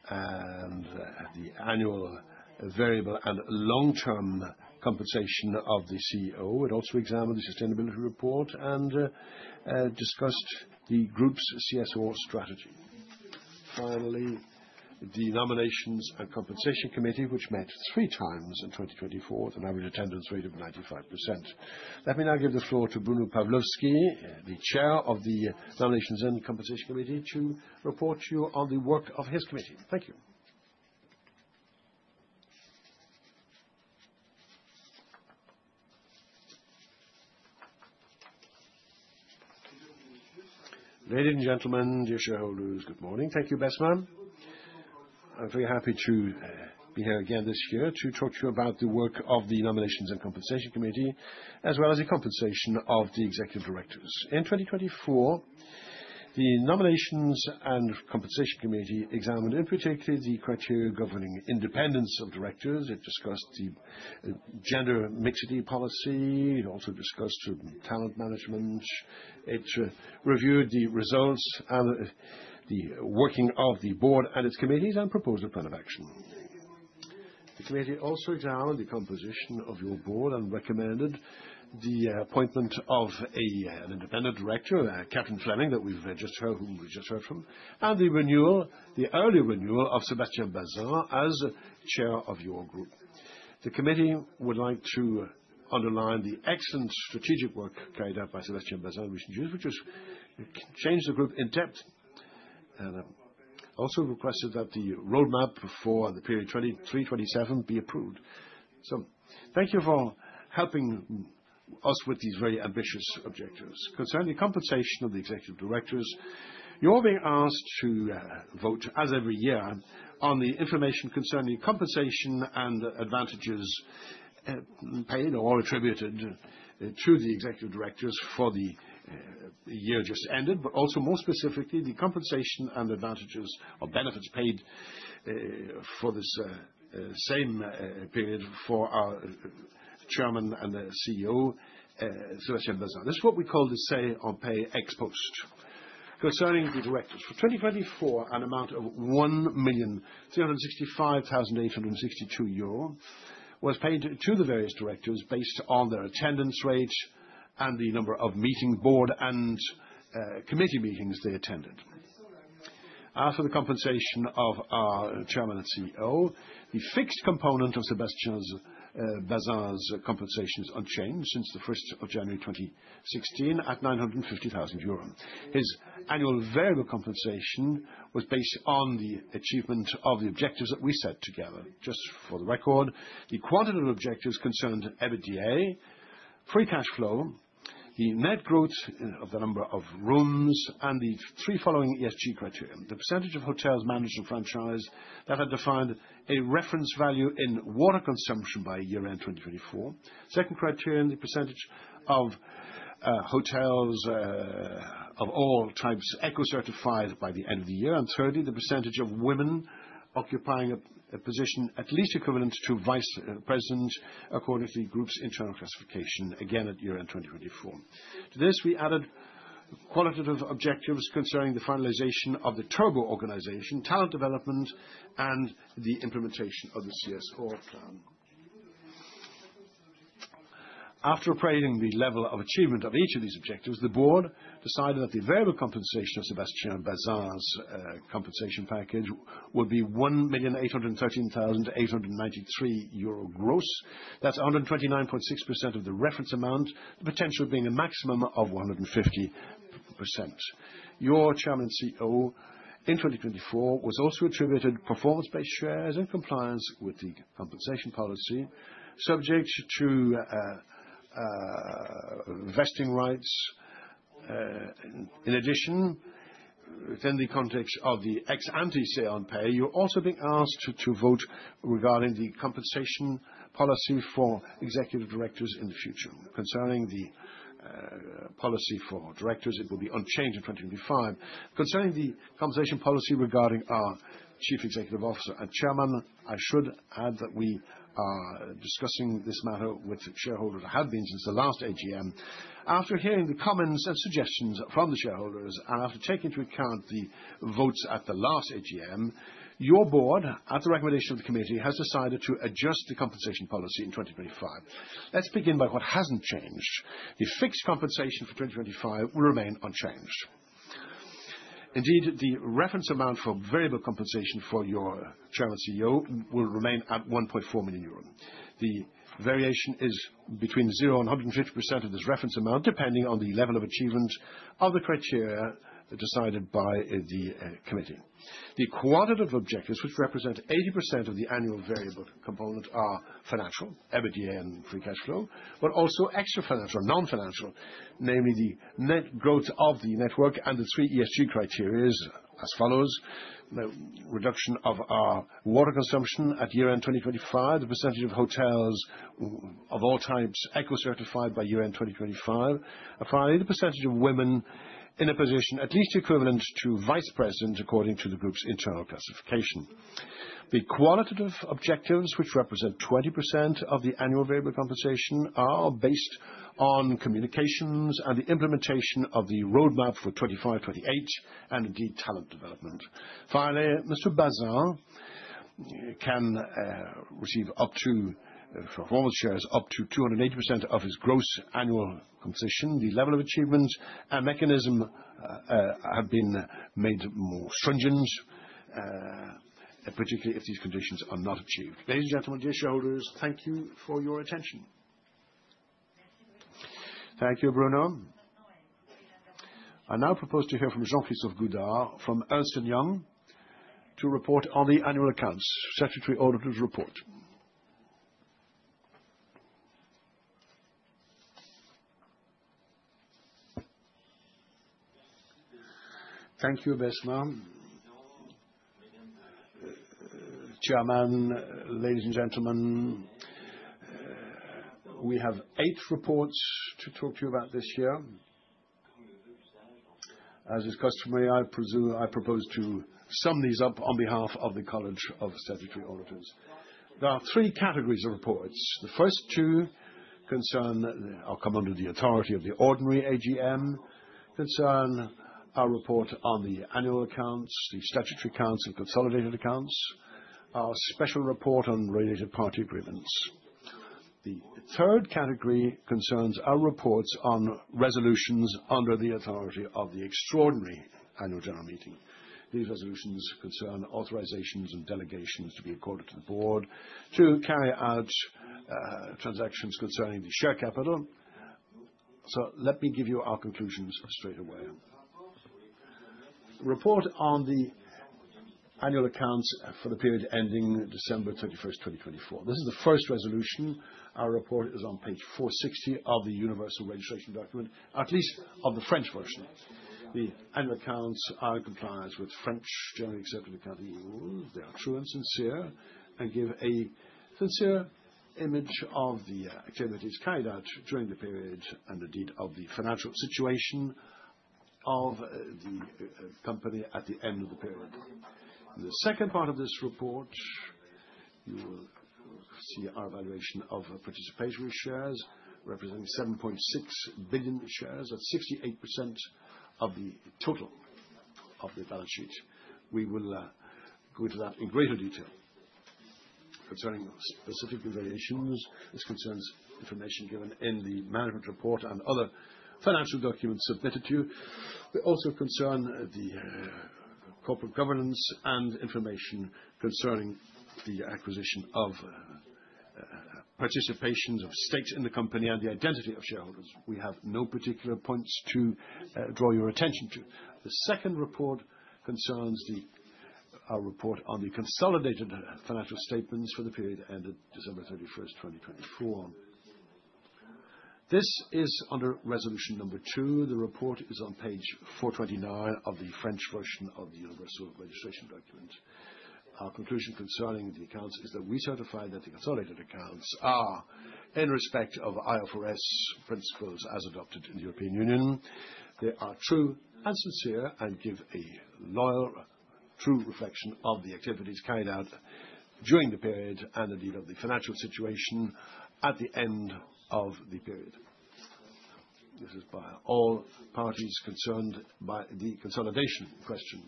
and the annual variable and long-term compensation of the CEO. It also examined the sustainability report and discussed the group's CSR strategy. Finally, the nominations and compensation committee, which met three times in 2024 with an average attendance rate of 95%. Let me now give the floor to Bruno Pavlovsky, the chair of the nominations and compensation committee, to report to you on the work of his committee. Thank you. Ladies and gentlemen, dear shareholders, good morning. Thank you, Besma. I'm very happy to be here again this year to talk to you about the work of the Nominations and Compensation Committee, as well as the compensation of the executive directors. In 2024, the Nominations and Compensation Committee examined in particular the criteria governing independence of directors. It discussed the gender mixity policy. It also discussed talent management. It reviewed the results and the working of the board and its committees and proposed a plan of action. The committee also examined the composition of your board and recommended the appointment of an independent director, Catherine Fleming, that we've just heard, whom we've just heard from, and the early renewal of Sébastien Bazin as Chair of your group. The committee would like to underline the excellent strategic work carried out by Sébastien Bazin, which changed the group in depth and also requested that the roadmap for the period 2023-2027 be approved. Thank you for helping us with these very ambitious objectives. Concerning the compensation of the executive directors, you're being asked to vote, as every year, on the information concerning compensation and advantages paid or attributed to the executive directors for the year just ended, but also more specifically, the compensation and advantages or benefits paid for this same period for our Chairman and CEO, Sébastien Bazin. This is what we call the CEO pay ex post. Concerning the directors, for 2024, an amount of 1,365,862 euro was paid to the various directors based on their attendance rate and the number of board and committee meetings they attended. As for the compensation of our Chairman and CEO, the fixed component of Sébastien Bazin's compensation is unchanged since the 1st of January 2016 at 950,000 euro. His annual variable compensation was based on the achievement of the objectives that we set together. Just for the record, the quantitative objectives concerned every EBITDA, free cash flow, the net growth of the number of rooms, and the three following ESG criteria. The percentage of hotels managed and franchised that had defined a reference value in water consumption by year-end 2024. Second criterion, the percentage of hotels of all types eco-certified by the end of the year. Thirdly, the percentage of women occupying a position at least equivalent to Vice President according to the group's internal classification, again at year-end 2024. To this, we added qualitative objectives concerning the finalization of the turbo organization, talent development, and the implementation of the CSR plan. After appraising the level of achievement of each of these objectives, the board decided that the variable compensation of Sébastien Bazin's compensation package would be 1,813,893 euro gross. That's 129.6% of the reference amount, the potential being a maximum of 150%. Your Chairman and CEO in 2024 was also attributed performance-based shares and compliance with the compensation policy, subject to vesting rights. In addition, within the context of the ex-ante CEO pay, you're also being asked to vote regarding the compensation policy for executive directors in the future. Concerning the policy for directors, it will be unchanged in 2025. Concerning the compensation policy regarding our Chief Executive Officer and Chairman, I should add that we are discussing this matter with shareholders that have been since the last AGM. After hearing the comments and suggestions from the shareholders and after taking into account the votes at the last AGM, your board, at the recommendation of the committee, has decided to adjust the compensation policy in 2025. Let's begin by what hasn't changed. The fixed compensation for 2025 will remain unchanged. Indeed, the reference amount for variable compensation for your Chairman and CEO will remain at 1.4 million euro. The variation is between 0-150% of this reference amount, depending on the level of achievement of the criteria decided by the committee. The quantitative objectives, which represent 80% of the annual variable component, are financial, every EBITDA and free cash flow, but also extra financial, non-financial, namely the net growth of the network and the three ESG criteria as follows: reduction of our water consumption at year-end 2025, the percentage of hotels of all types eco-certified by year-end 2025, and finally, the percentage of women in a position at least equivalent to vice president according to the group's internal classification. The qualitative objectives, which represent 20% of the annual variable compensation, are based on communications and the implementation of the roadmap for 2025-2028 and the talent development. Finally, Mr. Bazin can receive up to performance shares up to 280% of his gross annual compensation. The level of achievement and mechanism have been made more stringent, particularly if these conditions are not achieved. Ladies and gentlemen, dear shareholders, thank you for your attention. Thank you, Bruno. I now propose to hear from Jean-Christophe Goudard from Ernst & Young to report on the annual accounts. Secretary ordered to report. Thank you, Besma. Chairman, ladies and gentlemen, we have eight reports to talk to you about this year. As is customary, I propose to sum these up on behalf of the College of Statutory Auditors. There are three categories of reports. The first two concern or come under the authority of the ordinary AGM, concern our report on the annual accounts, the statutory accounts, and consolidated accounts, our special report on related party agreements. The third category concerns our reports on resolutions under the authority of the extraordinary annual general meeting. These resolutions concern authorizations and delegations to be accorded to the board to carry out transactions concerning the share capital. Let me give you our conclusions straight away. Report on the annual accounts for the period ending December 31, 2024. This is the first resolution. Our report is on page 460 of the universal registration document, at least of the French version. The annual accounts are in compliance with French generally accepted accounting rules. They are true and sincere and give a sincere image of the activities carried out during the period and indeed of the financial situation of the company at the end of the period. In the second part of this report, you will see our evaluation of participationary shares representing 7.6 billion shares at 68% of the total of the balance sheet. We will go into that in greater detail. Concerning specific evaluations, this concerns information given in the management report and other financial documents submitted to you. They also concern the corporate governance and information concerning the acquisition of participations of stakes in the company and the identity of shareholders. We have no particular points to draw your attention to. The second report concerns our report on the consolidated financial statements for the period ended December 31, 2024. This is under resolution number two. The report is on page 429 of the French version of the universal registration document. Our conclusion concerning the accounts is that we certify that the consolidated accounts are, in respect of IFRS principles as adopted in the European Union, they are true and sincere and give a loyal, true reflection of the activities carried out during the period and indeed of the financial situation at the end of the period. This is by all parties concerned by the consolidation question.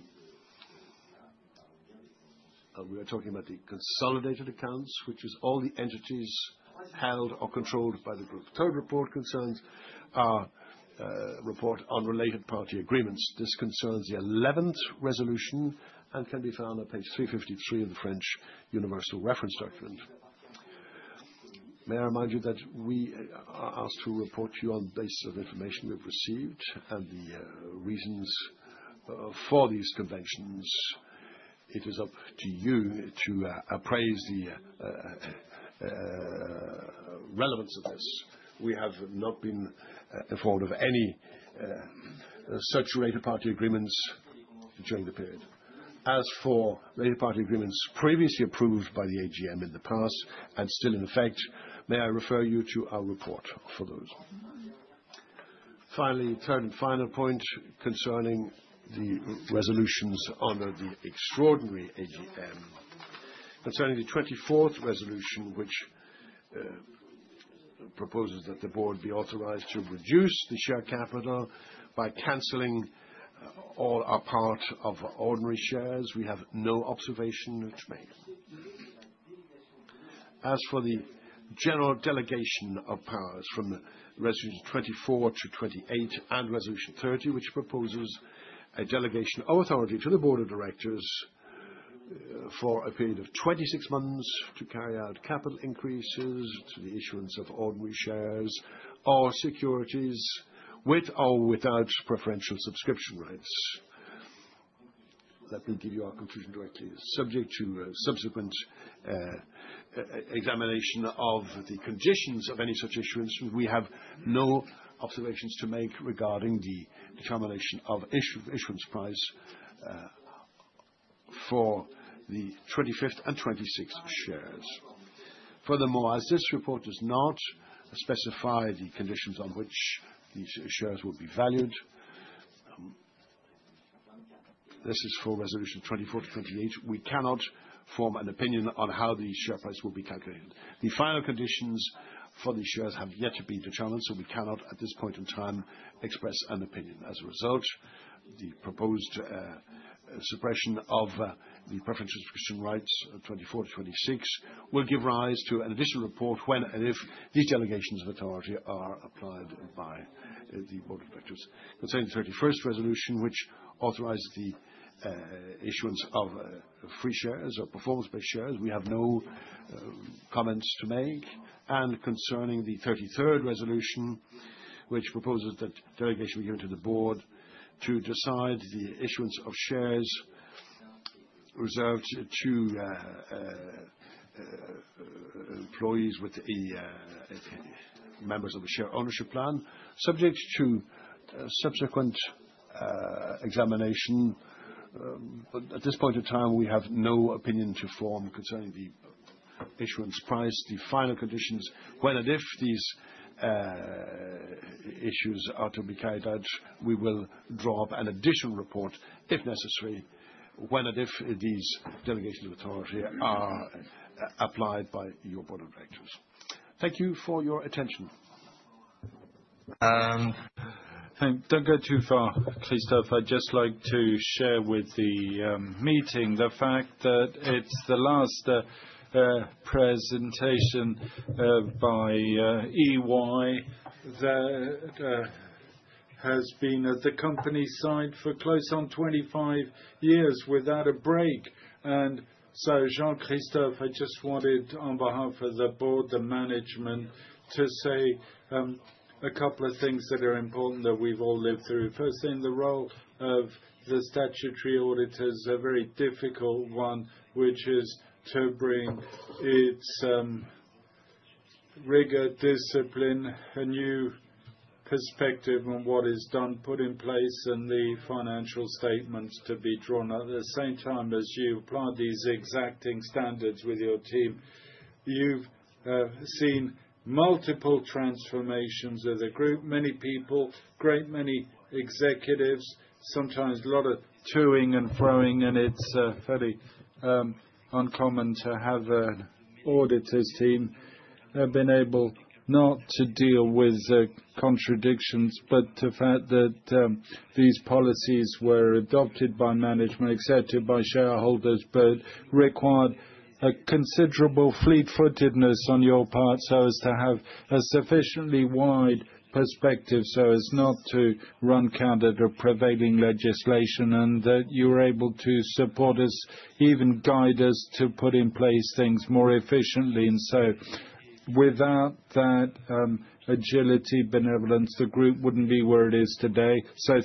We are talking about the consolidated accounts, which is all the entities held or controlled by the group. Third report concerns our report on related party agreements. This concerns the 11th resolution and can be found on page 353 of the French universal reference document. May I remind you that we are asked to report to you on the basis of information we've received and the reasons for these conventions. It is up to you to appraise the relevance of this. We have not been informed of any such related party agreements during the period. As for related party agreements previously approved by the AGM in the past and still in effect, may I refer you to our report for those? Finally, third and final point concerning the resolutions under the extraordinary AGM, concerning the 24th resolution, which proposes that the board be authorized to reduce the share capital by canceling all or part of ordinary shares, we have no observation to make. As for the general delegation of powers from resolution 24 to 28 and resolution 30, which proposes a delegation of authority to the board of directors for a period of 26 months to carry out capital increases to the issuance of ordinary shares or securities with or without preferential subscription rights. Let me give you our conclusion directly. Subject to subsequent examination of the conditions of any such issuance, we have no observations to make regarding the determination of issuance price for the 25th and 26th shares. Furthermore, as this report does not specify the conditions on which these shares will be valued, this is for resolution 24 to 28, we cannot form an opinion on how these share prices will be calculated. The final conditions for these shares have yet to be determined, so we cannot at this point in time express an opinion. As a result, the proposed suppression of the preferential subscription rights 24 to 26 will give rise to an additional report when and if these delegations of authority are applied by the board of directors. Concerning the 31st resolution, which authorized the issuance of free shares or performance-based shares, we have no comments to make. Concerning the 33rd resolution, which proposes that delegation be given to the board to decide the issuance of shares reserved to employees with members of the share ownership plan, subject to subsequent examination. At this point in time, we have no opinion to form concerning the issuance price. The final conditions, when and if these issues are to be carried out, we will draw up an additional report if necessary, when and if these delegations of authority are applied by your board of directors. Thank you for your attention. Don't go too far, Christoph. I'd just like to share with the meeting the fact that it's the last presentation by EY that has been at the company side for close on 25 years without a break. Jean-Christophe, I just wanted on behalf of the board, the management, to say a couple of things that are important that we've all lived through. Firstly, in the role of the statutory auditors, a very difficult one, which is to bring its rigor, discipline, a new perspective on what is done, put in place, and the financial statements to be drawn up. At the same time as you apply these exacting standards with your team, you've seen multiple transformations of the group, many people, great many executives, sometimes a lot of tooing and froing, and it's fairly uncommon to have an auditor's team been able not to deal with the contradictions, but the fact that these policies were adopted by management, accepted by shareholders, but required a considerable fleet-footedness on your part so as to have a sufficiently wide perspective so as not to run counter to prevailing legislation, and that you were able to support us, even guide us to put in place things more efficiently. Without that agility, benevolence, the group wouldn't be where it is today.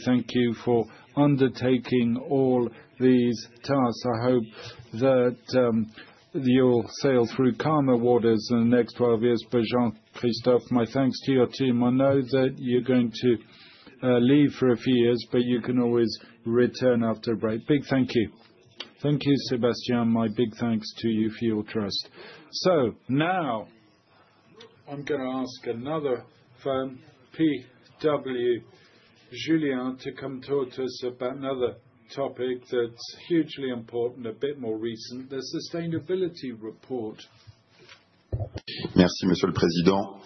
Thank you for undertaking all these tasks. I hope that you'll sail through calmer waters in the next 12 years for Jean-Christophe. My thanks to your team. I know that you're going to leave for a few years, but you can always return after a break. Big thank you. Thank you, Sébastien. My big thanks to you for your trust. Now, I'm going to ask another firm, PwC, to come talk to us about another topic that's hugely important, a bit more recent, the sustainability report. Merci, Monsieur le Président.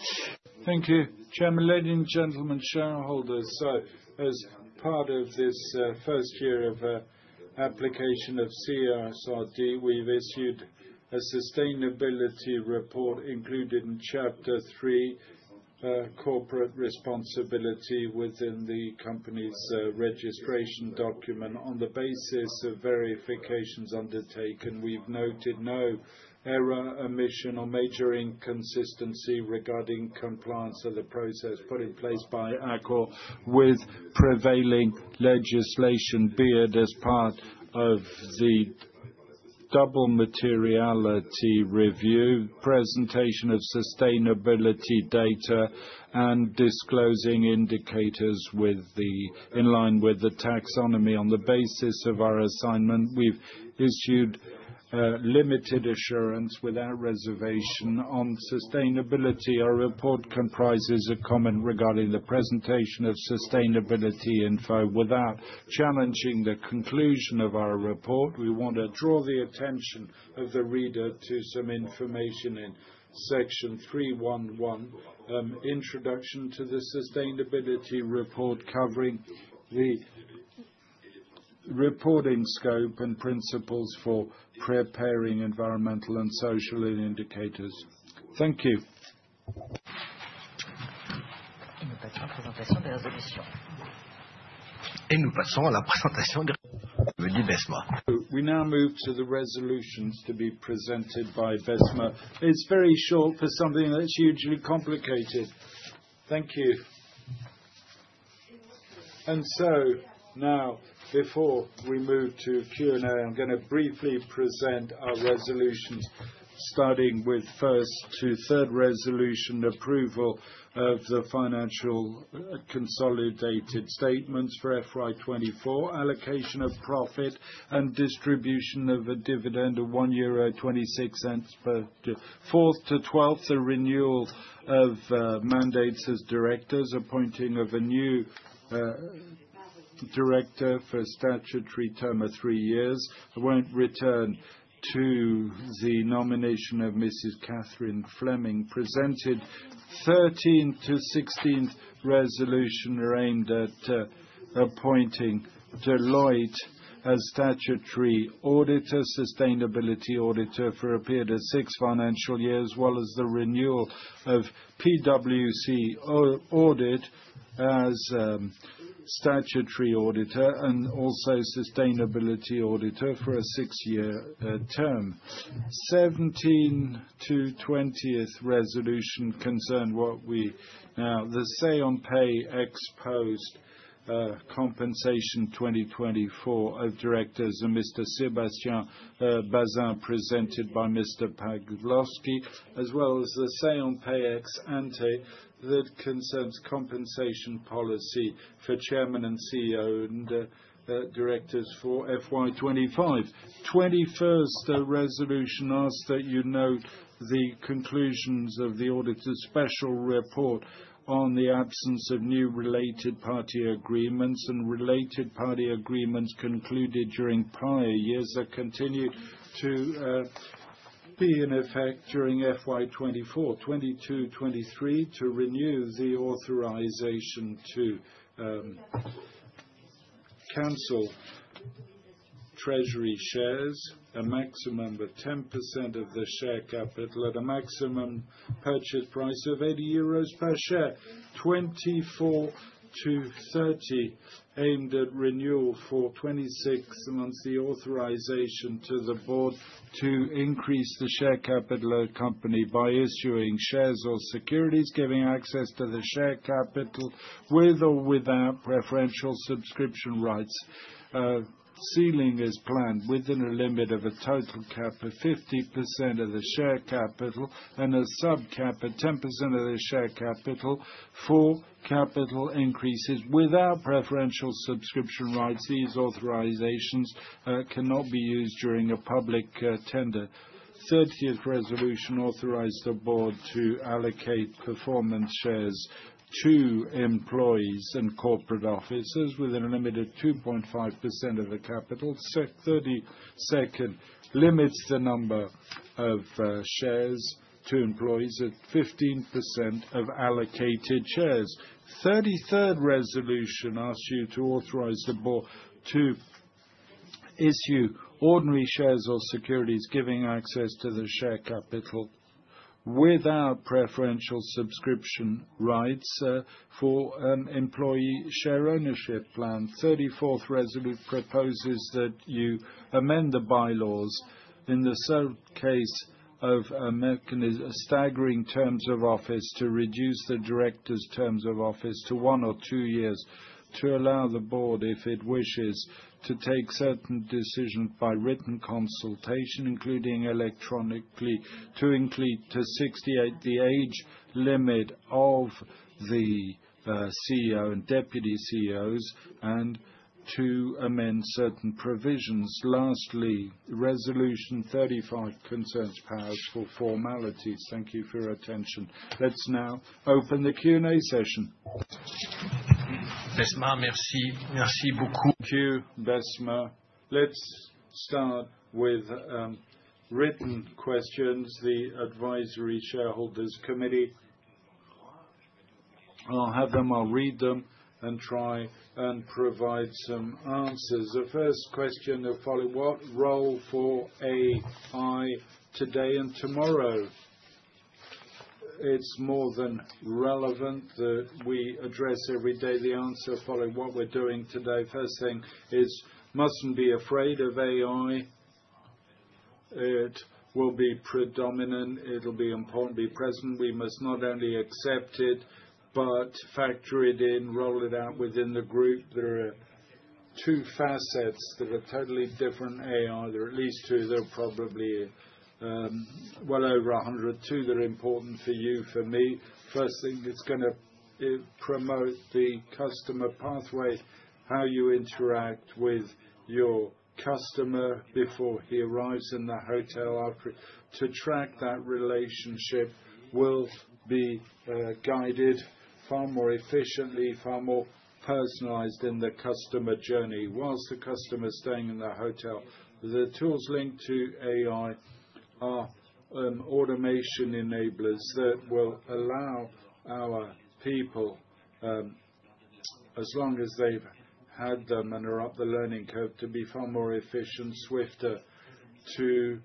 Thank you. Chairman, ladies and gentlemen, shareholders. As part of this first year of application of CSRD, we've issued a sustainability report included in Chapter 3, Corporate Responsibility within the company's registration document. On the basis of verifications undertaken, we've noted no error, omission, or major inconsistency regarding compliance of the process put in place by Accor with prevailing legislation, be it as part of the double materiality review, presentation of sustainability data, and disclosing indicators in line with the taxonomy. On the basis of our assignment, we've issued limited assurance without reservation on sustainability. Our report comprises a comment regarding the presentation of sustainability info without challenging the conclusion of our report. We want to draw the attention of the reader to some information in Section 311, Introduction to the Sustainability Report, covering the reporting scope and principles for preparing environmental and social indicators. Thank you. Et nous passons à la présentation des résolutions. We now move to the resolutions to be presented by Besma. It's very short for something that's hugely complicated. Thank you. Now, before we move to Q&A, I'm going to briefly present our resolutions, starting with first to third resolution approval of the financial consolidated statements for FY2024, allocation of profit and distribution of a dividend of 1.26 euro per share. Fourth to twelfth, a renewal of mandates as directors, appointing of a new director for statutory term of three years. I won't return to the nomination of Mrs. Catherine Fleming. Presented thirteenth to sixteenth resolution aimed at appointing Deloitte as statutory auditor, sustainability auditor for a period of six financial years, as well as the renewal of PwC Audit as statutory auditor and also sustainability auditor for a six-year term. Seventeenth to twentieth resolution concerned what we now the Say On Pay exposed compensation 2024 of directors and Mr. Sébastien Bazin, presented by Mr. Pagloski, as well as the Say On Pay ex ante that concerns compensation policy for Chairman and CEO and directors for FY2025. The twenty-first resolution asked that you note the conclusions of the auditor's special report on the absence of new related party agreements and related party agreements concluded during prior years that continue to be in effect during FY2024. Twenty-two, twenty-three, to renew the authorization to cancel treasury shares, a maximum of 10% of the share capital, at a maximum purchase price of 80 euros per share. Twenty-four to thirty, aimed at renewal for 26 months, the authorization to the board to increase the share capital of the company by issuing shares or securities giving access to the share capital with or without preferential subscription rights. Ceiling is planned within a limit of a total cap of 50% of the share capital and a subcap of 10% of the share capital for capital increases without preferential subscription rights. These authorizations cannot be used during a public tender. 30th resolution authorized the board to allocate performance shares to employees and corporate offices within a limit of 2.5% of the capital. 32nd limits the number of shares to employees at 15% of allocated shares. 33rd resolution asks you to authorize the board to issue ordinary shares or securities giving access to the share capital without preferential subscription rights for an employee share ownership plan. 34th resolution proposes that you amend the bylaws in the case of staggering terms of office to reduce the director's terms of office to one or two years to allow the board, if it wishes, to take certain decisions by written consultation, including electronically, to increase to 68 the age limit of the CEO and deputy CEOs, and to amend certain provisions. Lastly, resolution 35 concerns powers for formalities. Thank you for your attention. Let's now open the Q&A session. Besma, merci. Merci beaucoup. Thank you, Besma.Let's start with written questions, the advisory shareholders' committee. I'll have them, I'll read them and try and provide some answers. The first question will follow: What role for AI today and tomorrow? It's more than relevant that we address every day the answer following what we're doing today. First thing is, mustn't be afraid of AI. It will be predominant. It'll be important, be present. We must not only accept it, but factor it in, roll it out within the group. There are two facets that are totally different. AI, there are at least two. There are probably well over 102 that are important for you, for me. First thing, it's going to promote the customer pathway, how you interact with your customer before he arrives in the hotel. To track that relationship will be guided far more efficiently, far more personalized in the customer journey whilst the customer is staying in the hotel. The tools linked to AI are automation enablers that will allow our people, as long as they've had them and are up the learning curve, to be far more efficient, swifter to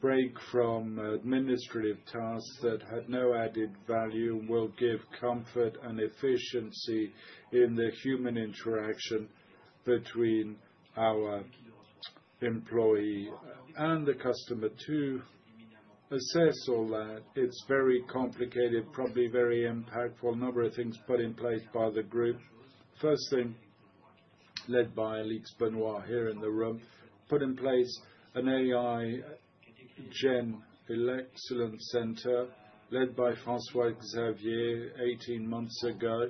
break from administrative tasks that had no added value. Will give comfort and efficiency in the human interaction between our employee and the customer. To assess all that, it's very complicated, probably very impactful, a number of things put in place by the group. First thing, led by Alex Benoit here in the room, put in place an AI Gen Excellence Center led by François-Xavier 18 months ago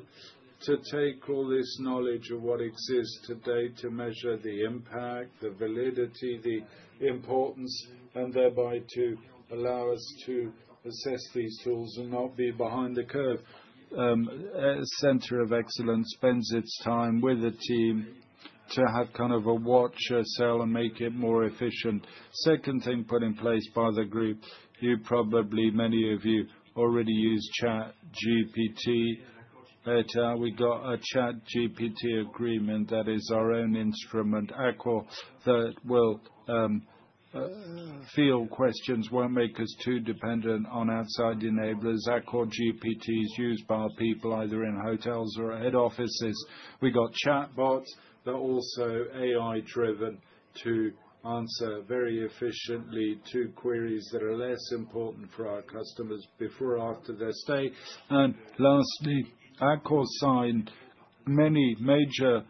to take all this knowledge of what exists today to measure the impact, the validity, the importance, and thereby to allow us to assess these tools and not be behind the curve. Center of Excellence spends its time with a team to have kind of a watch or sell and make it more efficient. Second thing put in place by the group, you probably, many of you already use ChatGPT. We got a ChatGPT agreement that is our own instrument. Accor will field questions, won't make us too dependent on outside enablers. Accor GPT is used by our people either in hotels or at head offices. We got chatbots that are also AI-driven to answer very efficiently to queries that are less important for our customers before or after their stay. Lastly, Accor signed many major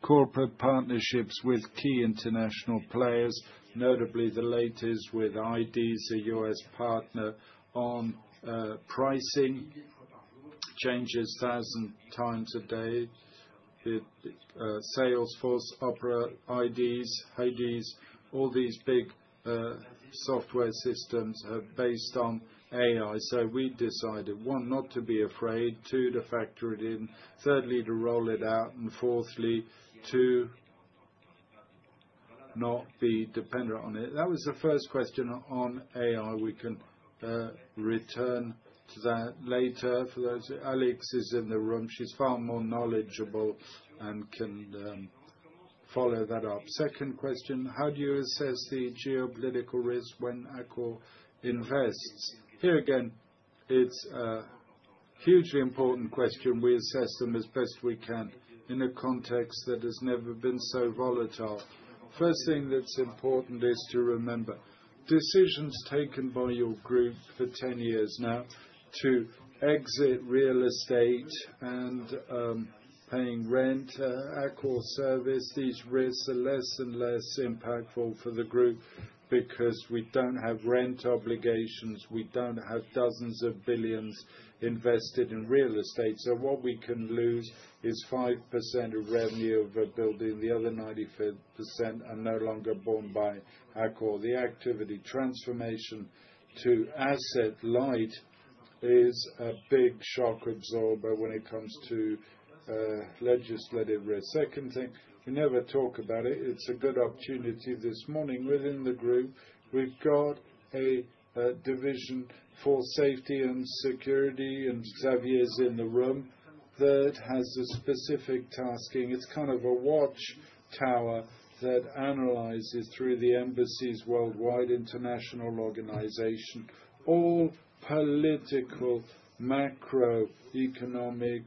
corporate partnerships with key international players, notably the latest with IDeaS, a US partner on pricing changes thousand times a day. Salesforce, Opera, IDeaS, Hadese, all these big software systems are based on AI. We decided, one, not to be afraid, two, to factor it in, thirdly, to roll it out, and fourthly, to not be dependent on it. That was the first question on AI. We can return to that later. Alex is in the room. She's far more knowledgeable and can follow that up. Second question, how do you assess the geopolitical risk when Accor invests? Here again, it's a hugely important question. We assess them as best we can in a context that has never been so volatile. First thing that's important is to remember decisions taken by your group for 10 years now to exit real estate and paying rent, Accor service, these risks are less and less impactful for the group because we don't have rent obligations. We don't have dozens of billions invested in real estate. So what we can lose is 5% of revenue of a building. The other 95% are no longer borne by Accor. The activity transformation to asset light is a big shock absorber when it comes to legislative risk. Second thing, we never talk about it. It's a good opportunity this morning within the group. We've got a division for safety and security, and Xavier's in the room that has a specific tasking. It's kind of a watch tower that analyzes through the embassies worldwide, international organization, all political, macro, economic,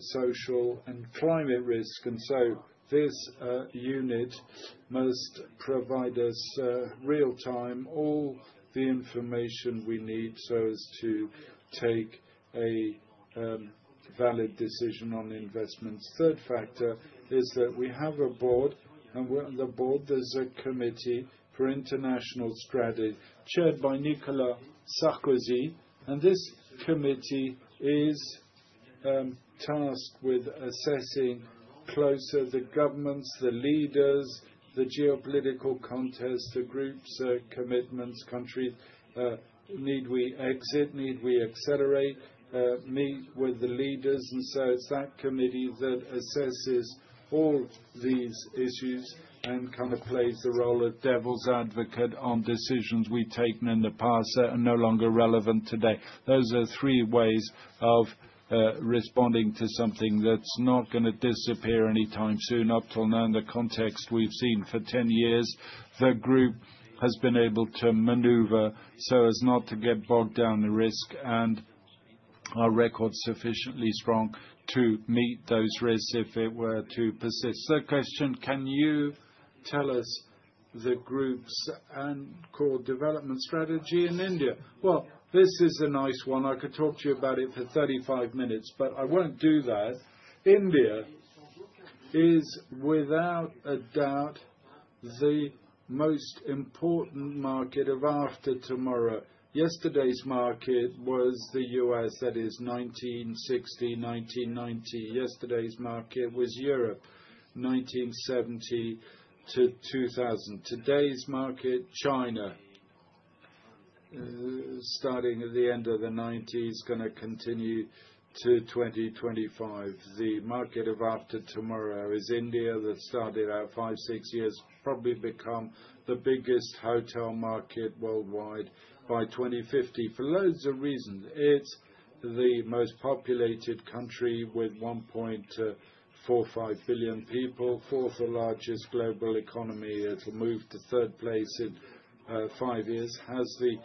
social, and climate risk. This unit must provide us real-time all the information we need so as to take a valid decision on investments. Third factor is that we have a board, and the board, there's a committee for international strategy chaired by Nicolas Sarkozy. This committee is tasked with assessing closer the governments, the leaders, the geopolitical context, the group's commitments, countries, need we exit, need we accelerate, meet with the leaders. This committee assesses all these issues and kind of plays the role of devil's advocate on decisions we've taken in the past that are no longer relevant today. Those are three ways of responding to something that's not going to disappear anytime soon. Up till now, in the context we've seen for 10 years, the group has been able to maneuver so as not to get bogged down in risk and our records sufficiently strong to meet those risks if it were to persist. Third question, can you tell us the group's core development strategy in India? This is a nice one. I could talk to you about it for 35 minutes, but I won't do that. India is, without a doubt, the most important market of after tomorrow. Yesterday's market was the U.S., that is 1960, 1990. Yesterday's market was Europe, 1970 to 2000. Today's market, China, starting at the end of the 1990s, going to continue to 2025. The market of after tomorrow is India that started out five, six years, probably become the biggest hotel market worldwide by 2050 for loads of reasons. It's the most populated country with 1.45 billion people, fourth largest global economy. It'll move to third place in five years, has the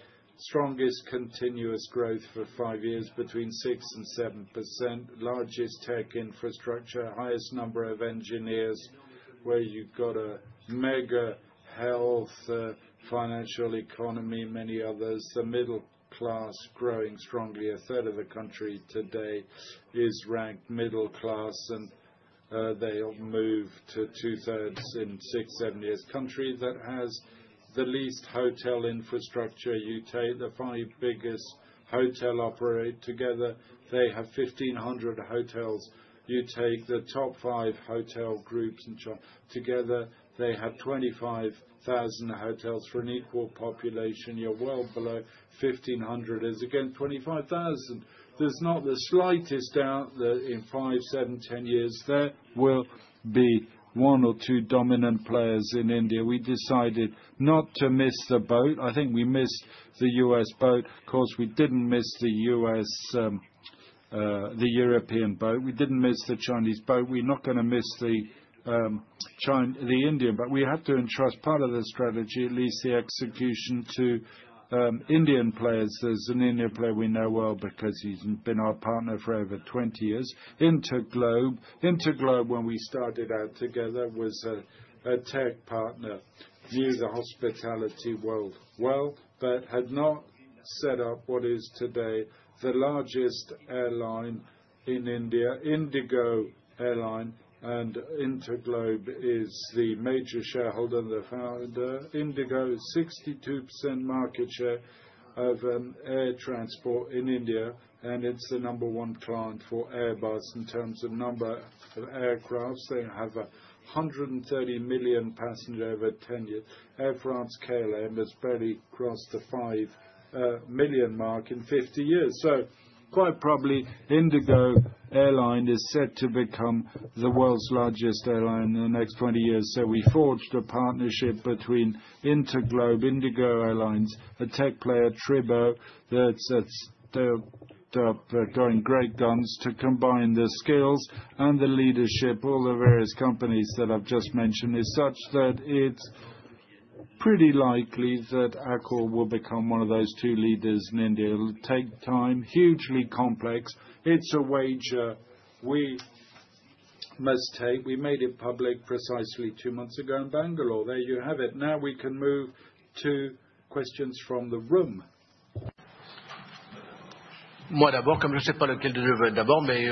strongest continuous growth for five years between 6% and 7%, largest tech infrastructure, highest number of engineers where you've got a mega health, financial economy, many others, the middle class growing strongly. A third of the country today is ranked middle class, and they'll move to two-thirds in six, seven years. Country that has the least hotel infrastructure, you take the five biggest hotel operators together, they have 1,500 hotels. You take the top five hotel groups and together, they have 25,000 hotels for an equal population. You're well below 1,500. It's again 25,000. There's not the slightest doubt that in five, seven, ten years, there will be one or two dominant players in India. We decided not to miss the boat. I think we missed the U.S. boat. Of course, we didn't miss the European boat. We didn't miss the Chinese boat. We're not going to miss the Indian, but we have to entrust part of the strategy, at least the execution, to Indian players. There's an Indian player we know well because he's been our partner for over 20 years. InterGlobe, when we started out together, was a tech partner, knew the hospitality world well, but had not set up what is today the largest airline in India, IndiGo Airlines. And InterGlobe is the major shareholder and the founder. IndiGo is 62% market share of air transport in India, and it's the number one client for Airbus in terms of number of aircraft. They have 130 million passengers over 10 years. Air France-KLM has barely crossed the 5 million mark in 50 years. Quite probably, IndiGo Airlines is set to become the world's largest airline in the next 20 years. We forged a partnership between InterGlobe, IndiGo Airlines, a tech player, Tribo, that's going great guns to combine the skills and the leadership, all the various companies that I've just mentioned, is such that it's pretty likely that Accor will become one of those two leaders in India. It'll take time, hugely complex. It's a wager we must take. We made it public precisely two months ago in Bangalore. There you have it. Now we can move to questions from the room. Moi, d'abord, comme je ne sais pas lequel de vous d'abord, mais.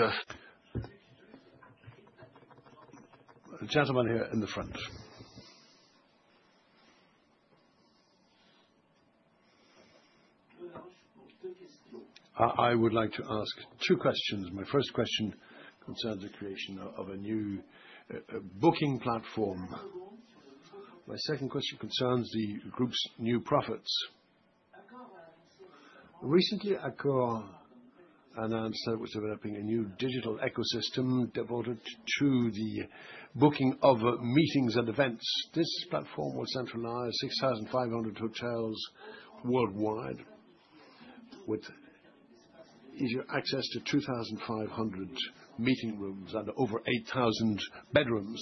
Gentlemen here in the front. I would like to ask two questions. My first question concerns the creation of a new booking platform. My second question concerns the group's new profits. Recently, Accor announced that it was developing a new digital ecosystem devoted to the booking of meetings and events. This platform will centralize 6,500 hotels worldwide with easier access to 2,500 meeting rooms and over 8,000 bedrooms.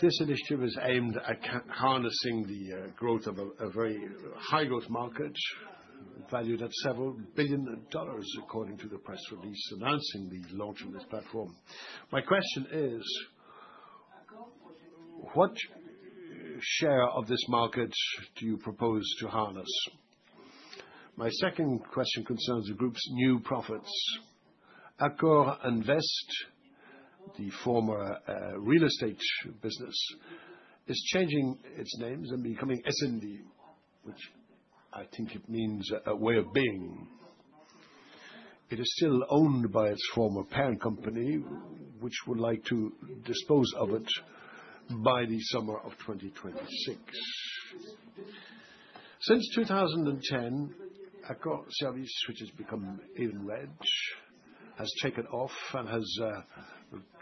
This initiative is aimed at harnessing the growth of a very high-growth market valued at several billion dollars, according to the press release announcing the launch of this platform. My question is, what share of this market do you propose to harness? My second question concerns the group's new profits. S&D, the former real estate business, is changing its name and becoming S&D, which I think it means a way of being. It is still owned by its former parent company, which would like to dispose of it by the summer of 2026. Since 2010, Accor Services, which has become even red, has taken off and has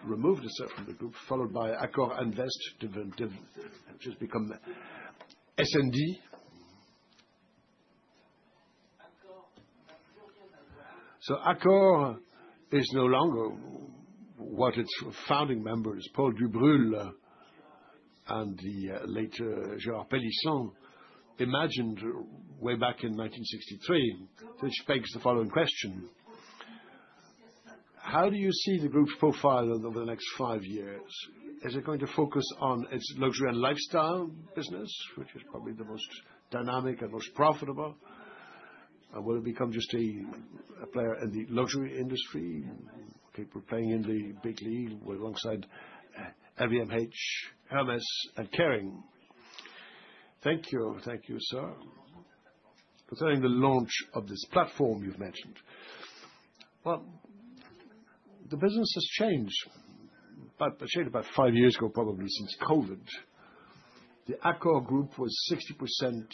removed itself from the group, followed by Accor Invest, which has become S&D. So Accor is no longer what its founding members, Paul Dubrule and the later Gérard Pélisson, imagined way back in 1963, which begs the following question: How do you see the group's profile over the next five years? Is it going to focus on its luxury and lifestyle business, which is probably the most dynamic and most profitable? Will it become just a player in the luxury industry, people playing in the big league alongside LVMH, Hermès, and Kering? Thank you. Thank you, sir. Concerning the launch of this platform you've mentioned, the business has changed, but changed about five years ago, probably since COVID. The Accor group was 60%,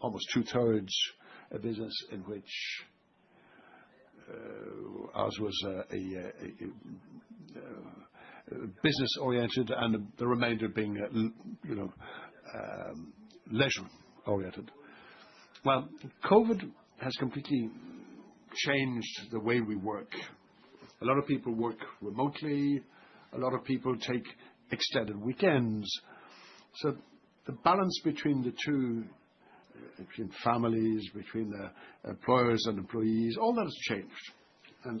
almost two-thirds a business in which ours was business-oriented and the remainder being leisure-oriented. COVID has completely changed the way we work. A lot of people work remotely. A lot of people take extended weekends. The balance between the two, between families, between employers and employees, all that has changed. There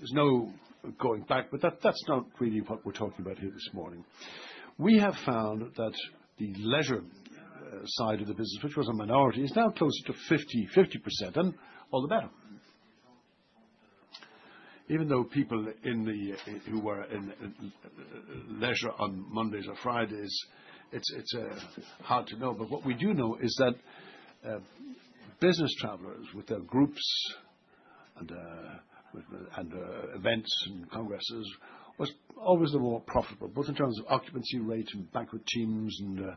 is no going back, but that is not really what we are talking about here this morning. We have found that the leisure side of the business, which was a minority, is now closer to 50%, and all the better. Even though people who were in leisure on Mondays or Fridays, it is hard to know. What we do know is that business travelers with their groups and events and congresses were always the more profitable, both in terms of occupancy rate and banquet teams and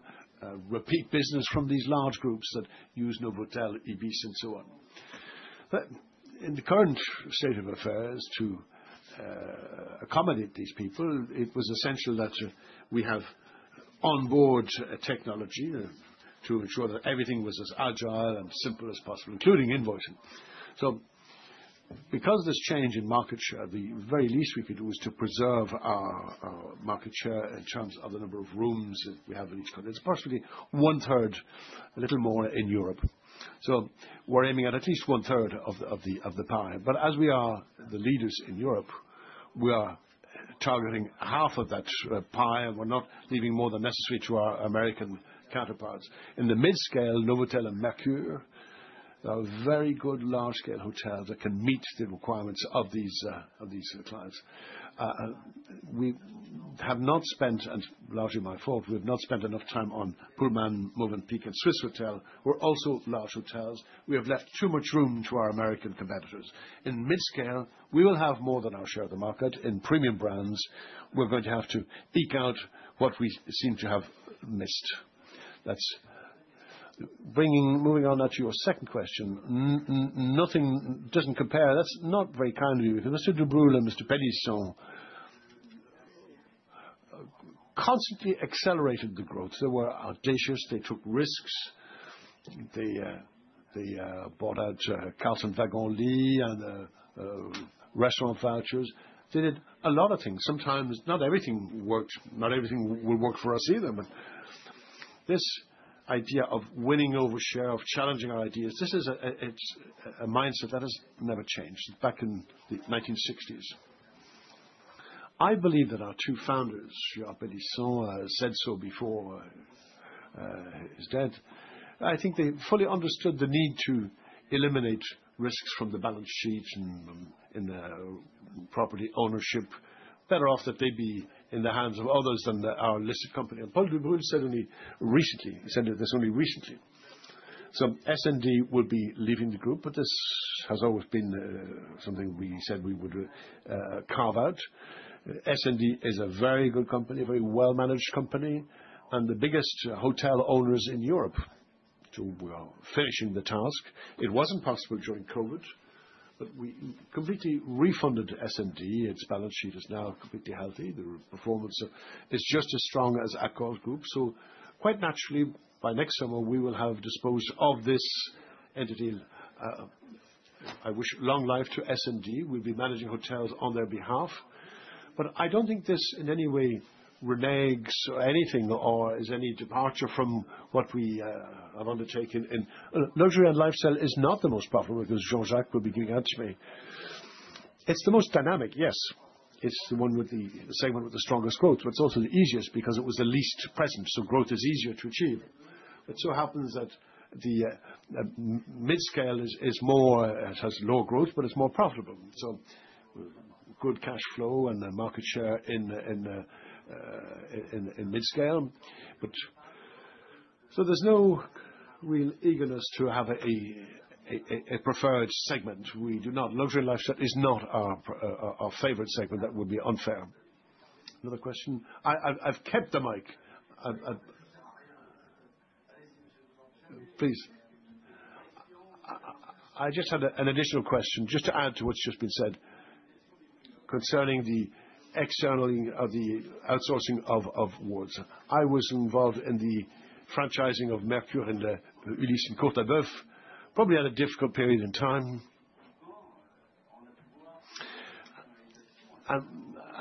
repeat business from these large groups that use Novotel, Ibis, and so on. In the current state of affairs, to accommodate these people, it was essential that we have onboard technology to ensure that everything was as agile and simple as possible, including invoicing. Because of this change in market share, the very least we could do is to preserve our market share in terms of the number of rooms that we have in each country. It is approximately one-third, a little more in Europe. We are aiming at at least one-third of the pie. As we are the leaders in Europe, we are targeting half of that pie, and we're not leaving more than necessary to our American counterparts. In the mid-scale, Novotel and Mercure are very good large-scale hotels that can meet the requirements of these clients. We have not spent, and largely my fault, we have not spent enough time on Pullman, Mövenpick, and Swissôtel. We're also large hotels. We have left too much room to our American competitors. In mid-scale, we will have more than our share of the market. In premium brands, we're going to have to eke out what we seem to have missed. That's moving on now to your second question. Nothing doesn't compare. That's not very kind of you. Mr. Dubrule and Mr. Pélisson constantly accelerated the growth. They were audacious. They took risks. They bought out Carlton Wagon Lille and restaurant vouchers. They did a lot of things. Sometimes not everything worked. Not everything will work for us either, but this idea of winning over share, of challenging our ideas, this is a mindset that has never changed back in the 1960s. I believe that our two founders, Gérard Pélisson, said so before his death. I think they fully understood the need to eliminate risks from the balance sheet and in the property ownership, better off that they be in the hands of others than our listed company. Paul Dubrule said only recently. He said this only recently. S&D will be leaving the group, but this has always been something we said we would carve out. S&D is a very good company, a very well-managed company, and the biggest hotel owners in Europe. We are finishing the task. It was not possible during COVID, but we completely refunded S&D. Its balance sheet is now completely healthy. The performance is just as strong as Accor's group. Quite naturally, by next summer, we will have disposed of this entity. I wish long life to S&D. We'll be managing hotels on their behalf. I do not think this in any way reneges or is any departure from what we have undertaken in luxury and lifestyle. It is not the most profitable because Jean-Jacques will be giving out to me. It is the most dynamic, yes. It is the segment with the strongest growth, but it is also the easiest because it was the least present, so growth is easier to achieve. It so happens that the mid-scale has low growth, but it is more profitable. Good cash flow and market share in mid-scale. There is no real eagerness to have a preferred segment. We do not. Luxury and lifestyle is not our favorite segment. That would be unfair. Another question. I've kept the mic. Please. I just had an additional question just to add to what's just been said concerning the external outsourcing of woods. I was involved in the franchising of Mercure and Ulice Courtabeuf, probably at a difficult period in time.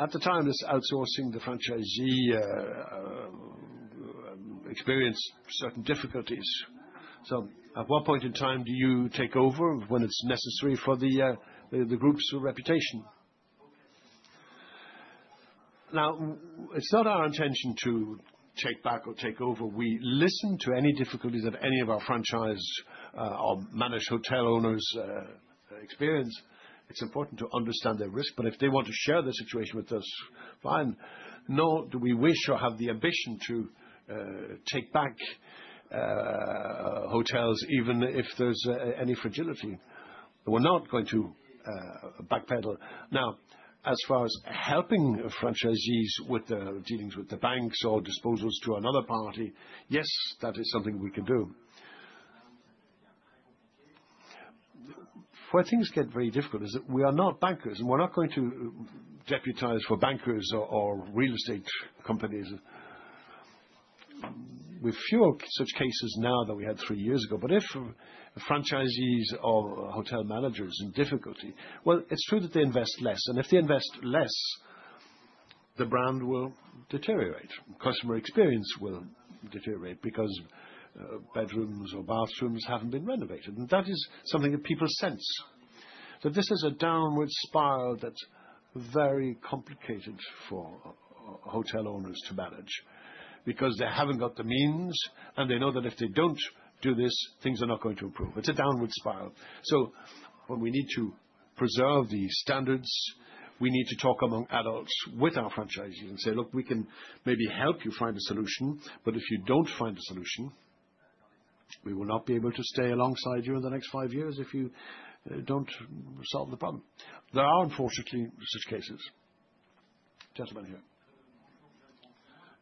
At the time, this outsourcing, the franchisee experienced certain difficulties. So at what point in time do you take over when it's necessary for the group's reputation? Now, it's not our intention to take back or take over. We listen to any difficulties that any of our franchise or managed hotel owners experience. It's important to understand their risk, but if they want to share the situation with us, fine. Nor do we wish or have the ambition to take back hotels, even if there's any fragility. We're not going to backpedal. Now, as far as helping franchisees with dealings with the banks or disposals to another party, yes, that is something we can do. Where things get very difficult is that we are not bankers, and we're not going to jeopardize for bankers or real estate companies. We have fewer such cases now than we had three years ago. If franchisees or hotel managers are in difficulty, it's true that they invest less. If they invest less, the brand will deteriorate. Customer experience will deteriorate because bedrooms or bathrooms have not been renovated. That is something that people sense. This is a downward spiral that is very complicated for hotel owners to manage because they have not got the means, and they know that if they do not do this, things are not going to improve. It's a downward spiral. When we need to preserve the standards, we need to talk among adults with our franchisees and say, "Look, we can maybe help you find a solution, but if you don't find a solution, we will not be able to stay alongside you in the next five years if you don't solve the problem." There are, unfortunately, such cases. Gentlemen here.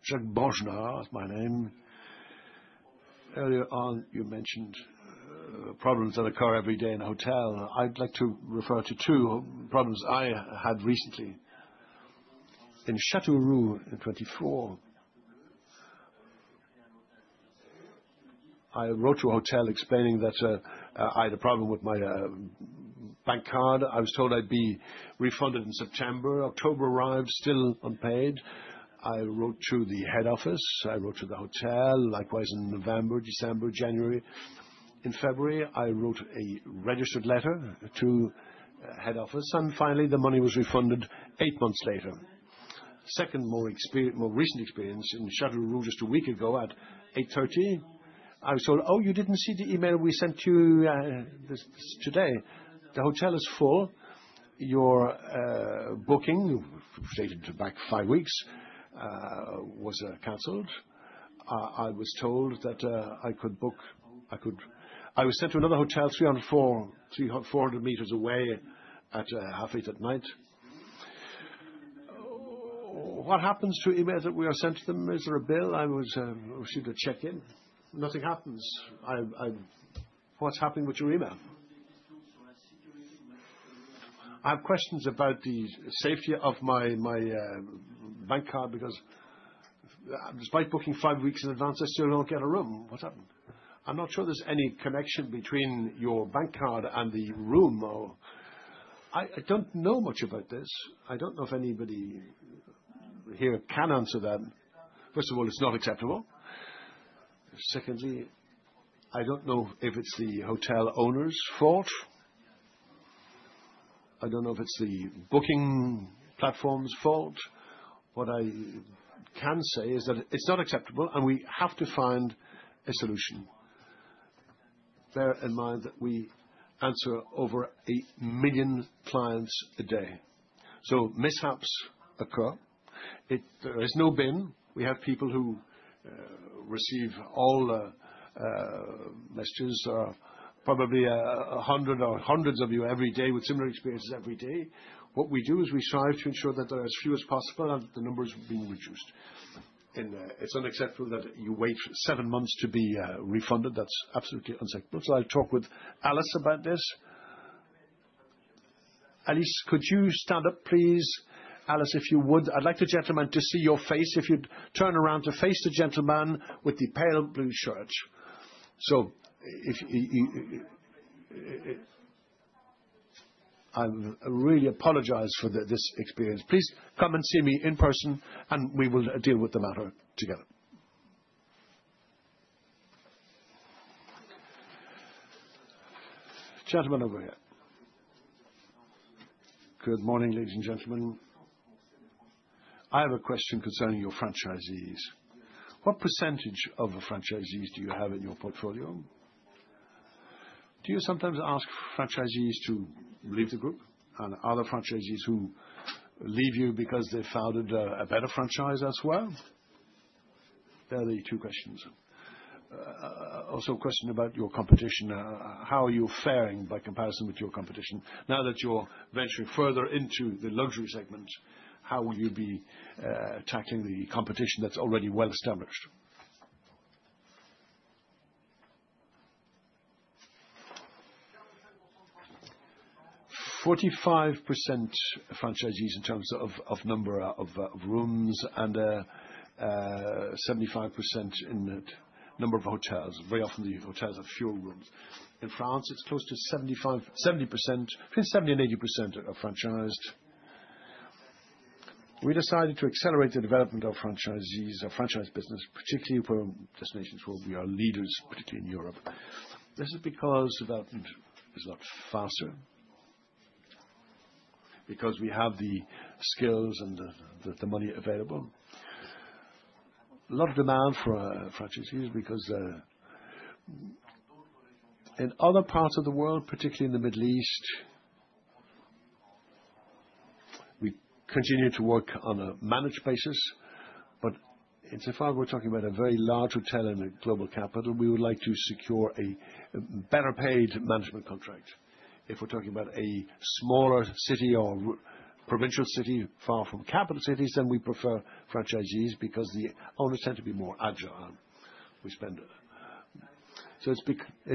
Jacques Bongrand, my name. Earlier on, you mentioned problems that occur every day in a hotel. I'd like to refer to two problems I had recently. In Châteauroux in 2024, I wrote to a hotel explaining that I had a problem with my bank card. I was told I'd be refunded in September. October arrived, still unpaid. I wrote to the head office. I wrote to the hotel. Likewise, in November, December, January. In February, I wrote a registered letter to head office. Finally, the money was refunded eight months later. Second, more recent experience in Châteauroux just a week ago at 8:30, I was told, "Oh, you didn't see the email we sent you today. The hotel is full. Your booking," dated back five weeks, "was canceled." I was told that I could book. I was sent to another hotel 304, 400 m away at half eight at night. What happens to emails that we are sent to them? Is there a bill? I received a check-in. Nothing happens. What's happening with your email? I have questions about the safety of my bank card because despite booking five weeks in advance, I still don't get a room. What's happened? I'm not sure there's any connection between your bank card and the room. I don't know much about this. I don't know if anybody here can answer that. First of all, it's not acceptable. Secondly, I don't know if it's the hotel owner's fault. I don't know if it's the booking platform's fault. What I can say is that it's not acceptable, and we have to find a solution. Bear in mind that we answer over a million clients a day. So mishaps occur. There is no bin. We have people who receive all messages. There are probably hundreds of you every day with similar experiences every day. What we do is we strive to ensure that there are as few as possible and that the number is being reduced. It's unacceptable that you wait seven months to be refunded. That's absolutely unacceptable. I'll talk with Alice about this. Alice, could you stand up, please? Alice, if you would. I'd like the gentleman to see your face if you'd turn around to face the gentleman with the pale blue shirt. I really apologize for this experience. Please come and see me in person, and we will deal with the matter together. Gentlemen over here. Good morning, ladies and gentlemen. I have a question concerning your franchisees. What percentage of the franchisees do you have in your portfolio? Do you sometimes ask franchisees to leave the group? And are there franchisees who leave you because they found a better franchise elsewhere? There are the two questions. Also, a question about your competition. How are you faring by comparison with your competition? Now that you're venturing further into the luxury segment, how will you be tackling the competition that's already well-established? 45% franchisees in terms of number of rooms and 75% in number of hotels. Very often, the hotels have fewer rooms. In France, it's close to 70%, between 70%-80% are franchised. We decided to accelerate the development of franchisees or franchise business, particularly for destinations where we are leaders, particularly in Europe. This is because development is a lot faster, because we have the skills and the money available. A lot of demand for franchisees because in other parts of the world, particularly in the Middle East, we continue to work on a managed basis. So far, we're talking about a very large hotel in a global capital. We would like to secure a better-paid management contract. If we're talking about a smaller city or provincial city far from capital cities, then we prefer franchisees because the owners tend to be more agile. It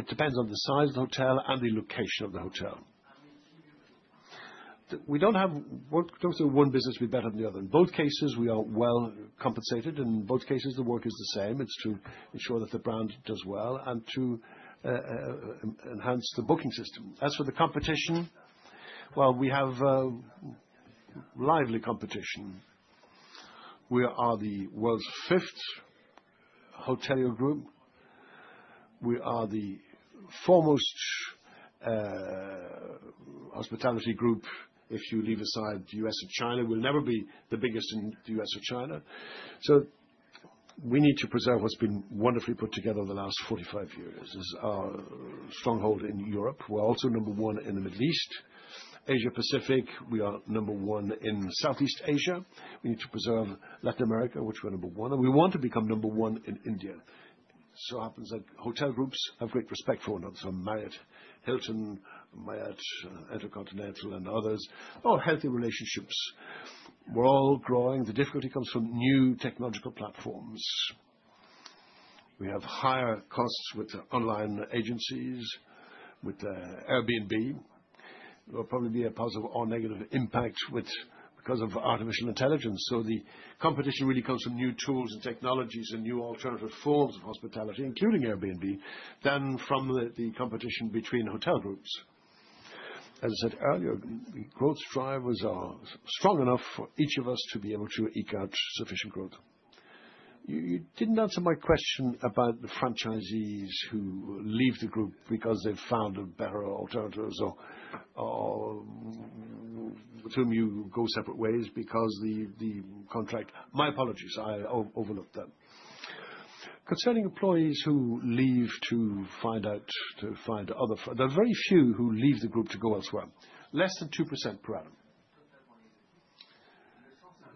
depends on the size of the hotel and the location of the hotel. We don't have one business be better than the other. In both cases, we are well-compensated. In both cases, the work is the same. It's to ensure that the brand does well and to enhance the booking system. As for the competition, we have lively competition. We are the world's fifth hotelier group. We are the foremost hospitality group. If you leave aside the U.S. and China, we'll never be the biggest in the U.S. and China. We need to preserve what's been wonderfully put together in the last 45 years. It's our stronghold in Europe. We're also number one in the Middle East. Asia-Pacific, we are number one in Southeast Asia. We need to preserve Latin America, which we're number one. We want to become number one in India. It happens that hotel groups have great respect for one another. Hyatt, Hilton, Hyatt, Intercontinental, and others. All healthy relationships. We're all growing. The difficulty comes from new technological platforms. We have higher costs with online agencies, with Airbnb. There will probably be a positive or negative impact because of artificial intelligence. The competition really comes from new tools and technologies and new alternative forms of hospitality, including Airbnb, than from the competition between hotel groups. As I said earlier, the growth drivers are strong enough for each of us to be able to eke out sufficient growth. You didn't answer my question about the franchisees who leave the group because they've found better alternatives or with whom you go separate ways because the contract. My apologies. I overlooked that. Concerning employees who leave to find other folks, there are very few who leave the group to go elsewhere. Less than 2% per annum.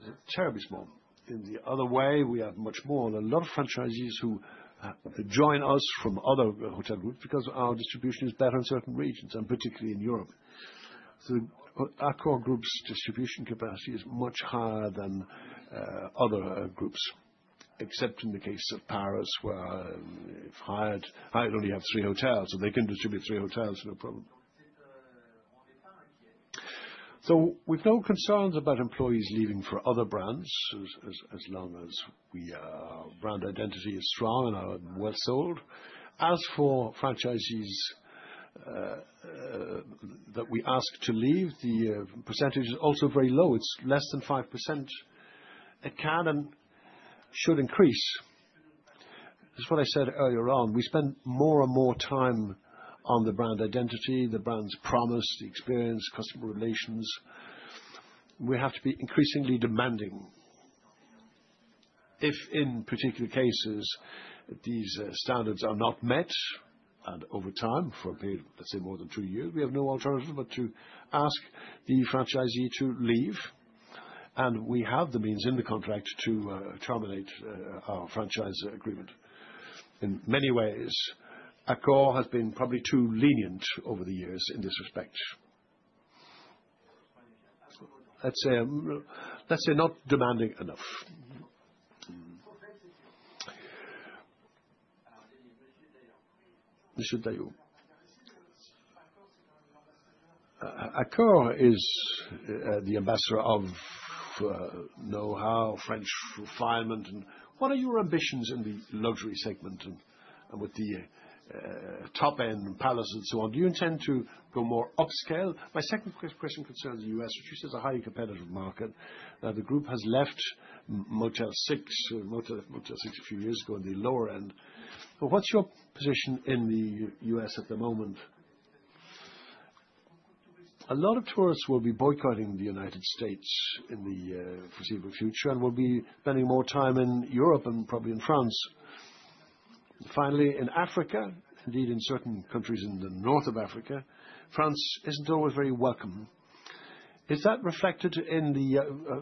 It's terribly small. In the other way, we have much more. A lot of franchisees who join us from other hotel groups because our distribution is better in certain regions, particularly in Europe. Accor Group's distribution capacity is much higher than other groups, except in the case of Paris, where Hyatt only has three hotels. They can distribute three hotels, no problem. There are no concerns about employees leaving for other brands, as long as our brand identity is strong and our well-sold. As for franchisees that we ask to leave, the percentage is also very low. It is less than 5%. It can and should increase. That is what I said earlier on. We spend more and more time on the brand identity, the brand's promise, the experience, customer relations. We have to be increasingly demanding. If in particular cases these standards are not met, and over time for a period, let's say, more than two years, we have no alternative but to ask the franchisee to leave. We have the means in the contract to terminate our franchise agreement. In many ways, Accor has been probably too lenient over the years in this respect. Let's say not demanding enough. Accor is the ambassador of know-how, French refinement. What are your ambitions in the luxury segment and with the top-end palace and so on? Do you intend to go more upscale? My second question concerns the U.S., which you said is a highly competitive market. The group has left Motel 6 a few years ago in the lower end. What is your position in the U.S. at the moment? A lot of tourists will be boycotting the United States in the foreseeable future and will be spending more time in Europe and probably in France. Finally, in Africa, indeed in certain countries in the north of Africa, France isn't always very welcome. Is that reflected in the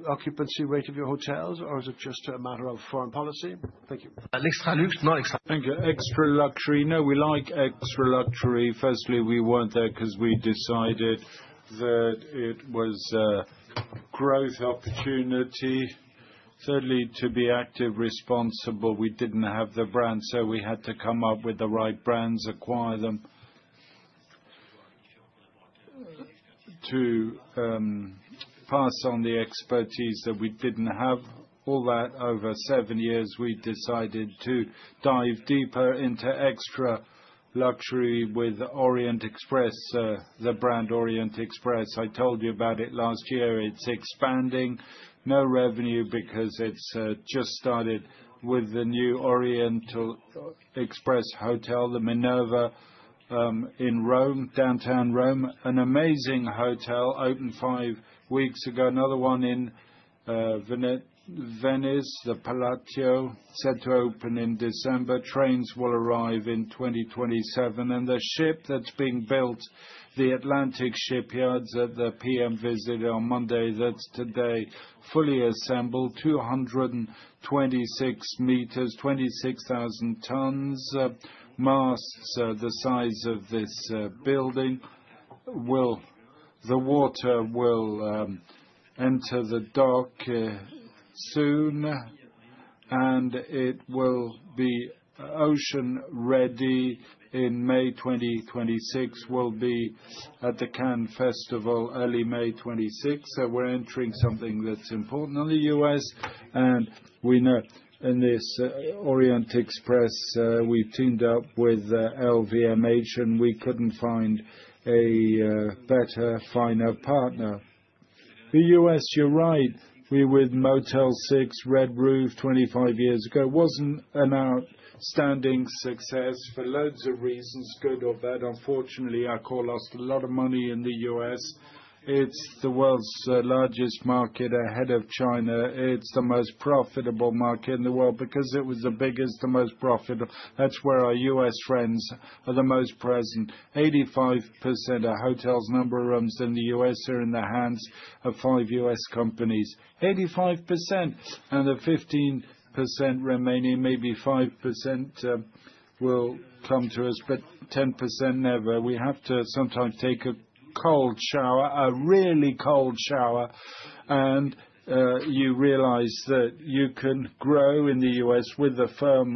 occupancy rate of your hotels, or is it just a matter of foreign policy? Thank you. Extra Luxury. No, excellent. Thank you. Extra Luxury. No, we like Extra Luxury. Firstly, we weren't there because we decided that it was a growth opportunity. Thirdly, to be active, responsible. We didn't have the brand, so we had to come up with the right brands, acquire them, to pass on the expertise that we didn't have. All that, over seven years, we decided to dive deeper into Extra Luxury with Orient Express, the brand Orient Express. I told you about it last year. It's expanding. No revenue because it's just started with the new Orient Express Hotel, the Minerva in Rome, downtown Rome. An amazing hotel opened five weeks ago. Another one in Venice, the Palazzo, set to open in December. Trains will arrive in 2027. The ship that's being built, the Atlantic Shipyards at the PM visit on Monday, that's today, fully assembled, 226 m, 26,000 tons. Masts the size of this building. The water will enter the dock soon, and it will be ocean-ready in May 2026. We'll be at the Cannes Festival early May 26. We're entering something that's important in the U.S. In this Orient Express, we've teamed up with LVMH, and we couldn't find a better, finer partner. The U.S., you're right. We were with Motel 6, Red Roof 25 years ago. It wasn't an outstanding success for loads of reasons, good or bad. Unfortunately, Accor lost a lot of money in the U.S. It's the world's largest market ahead of China. It's the most profitable market in the world because it was the biggest, the most profitable. That's where our U.S. friends are the most present. 85% of hotels' number of rooms in the U.S. are in the hands of five U.S. companies. 85%. The 15% remaining, maybe 5%, will come to us, but 10% never. We have to sometimes take a cold shower, a really cold shower, and you realize that you can grow in the U.S. with the firm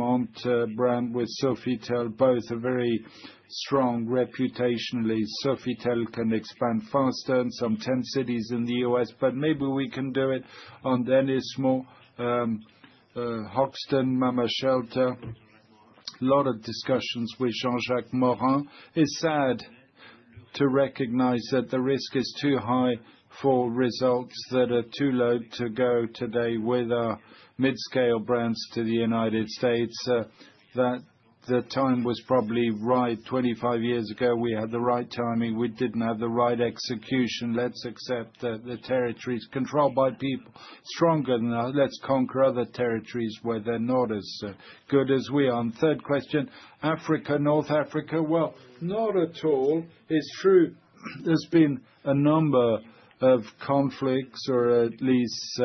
brand with Sofitel, both very strong reputationally. Sofitel can expand faster in some ten cities in the U.S., but maybe we can do it on Denis Small, Hoxton, Mama Shelter. A lot of discussions with Jean-Jacques Morin. It's sad to recognize that the risk is too high for results that are too low to go today with our midscale brands to the United States. The time was probably right. Twenty-five years ago, we had the right timing. We didn't have the right execution. Let's accept that the territory is controlled by people stronger than us. Let's conquer other territories where they're not as good as we are. Third question, Africa, North Africa? Not at all. It's true. There's been a number of conflicts or at least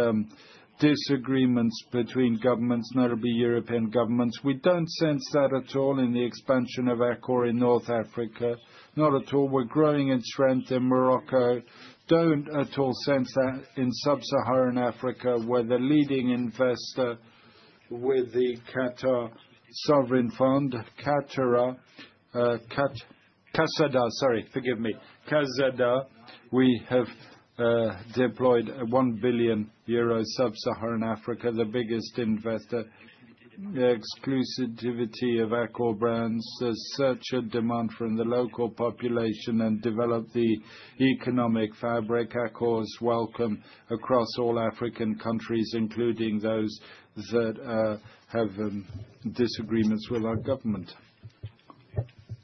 disagreements between governments, notably European governments. We don't sense that at all in the expansion of Accor in North Africa. Not at all. We're growing in strength in Morocco. Don't at all sense that in Sub-Saharan Africa where the leading investor with the Qatar Sovereign Fund, Qatar KASADA, sorry, forgive me, KASADA, we have deployed 1 billion euro in Sub-Saharan Africa, the biggest investor. The exclusivity of Accor brands is such a demand from the local population and develop the economic fabric. Accor is welcome across all African countries, including those that have disagreements with our government.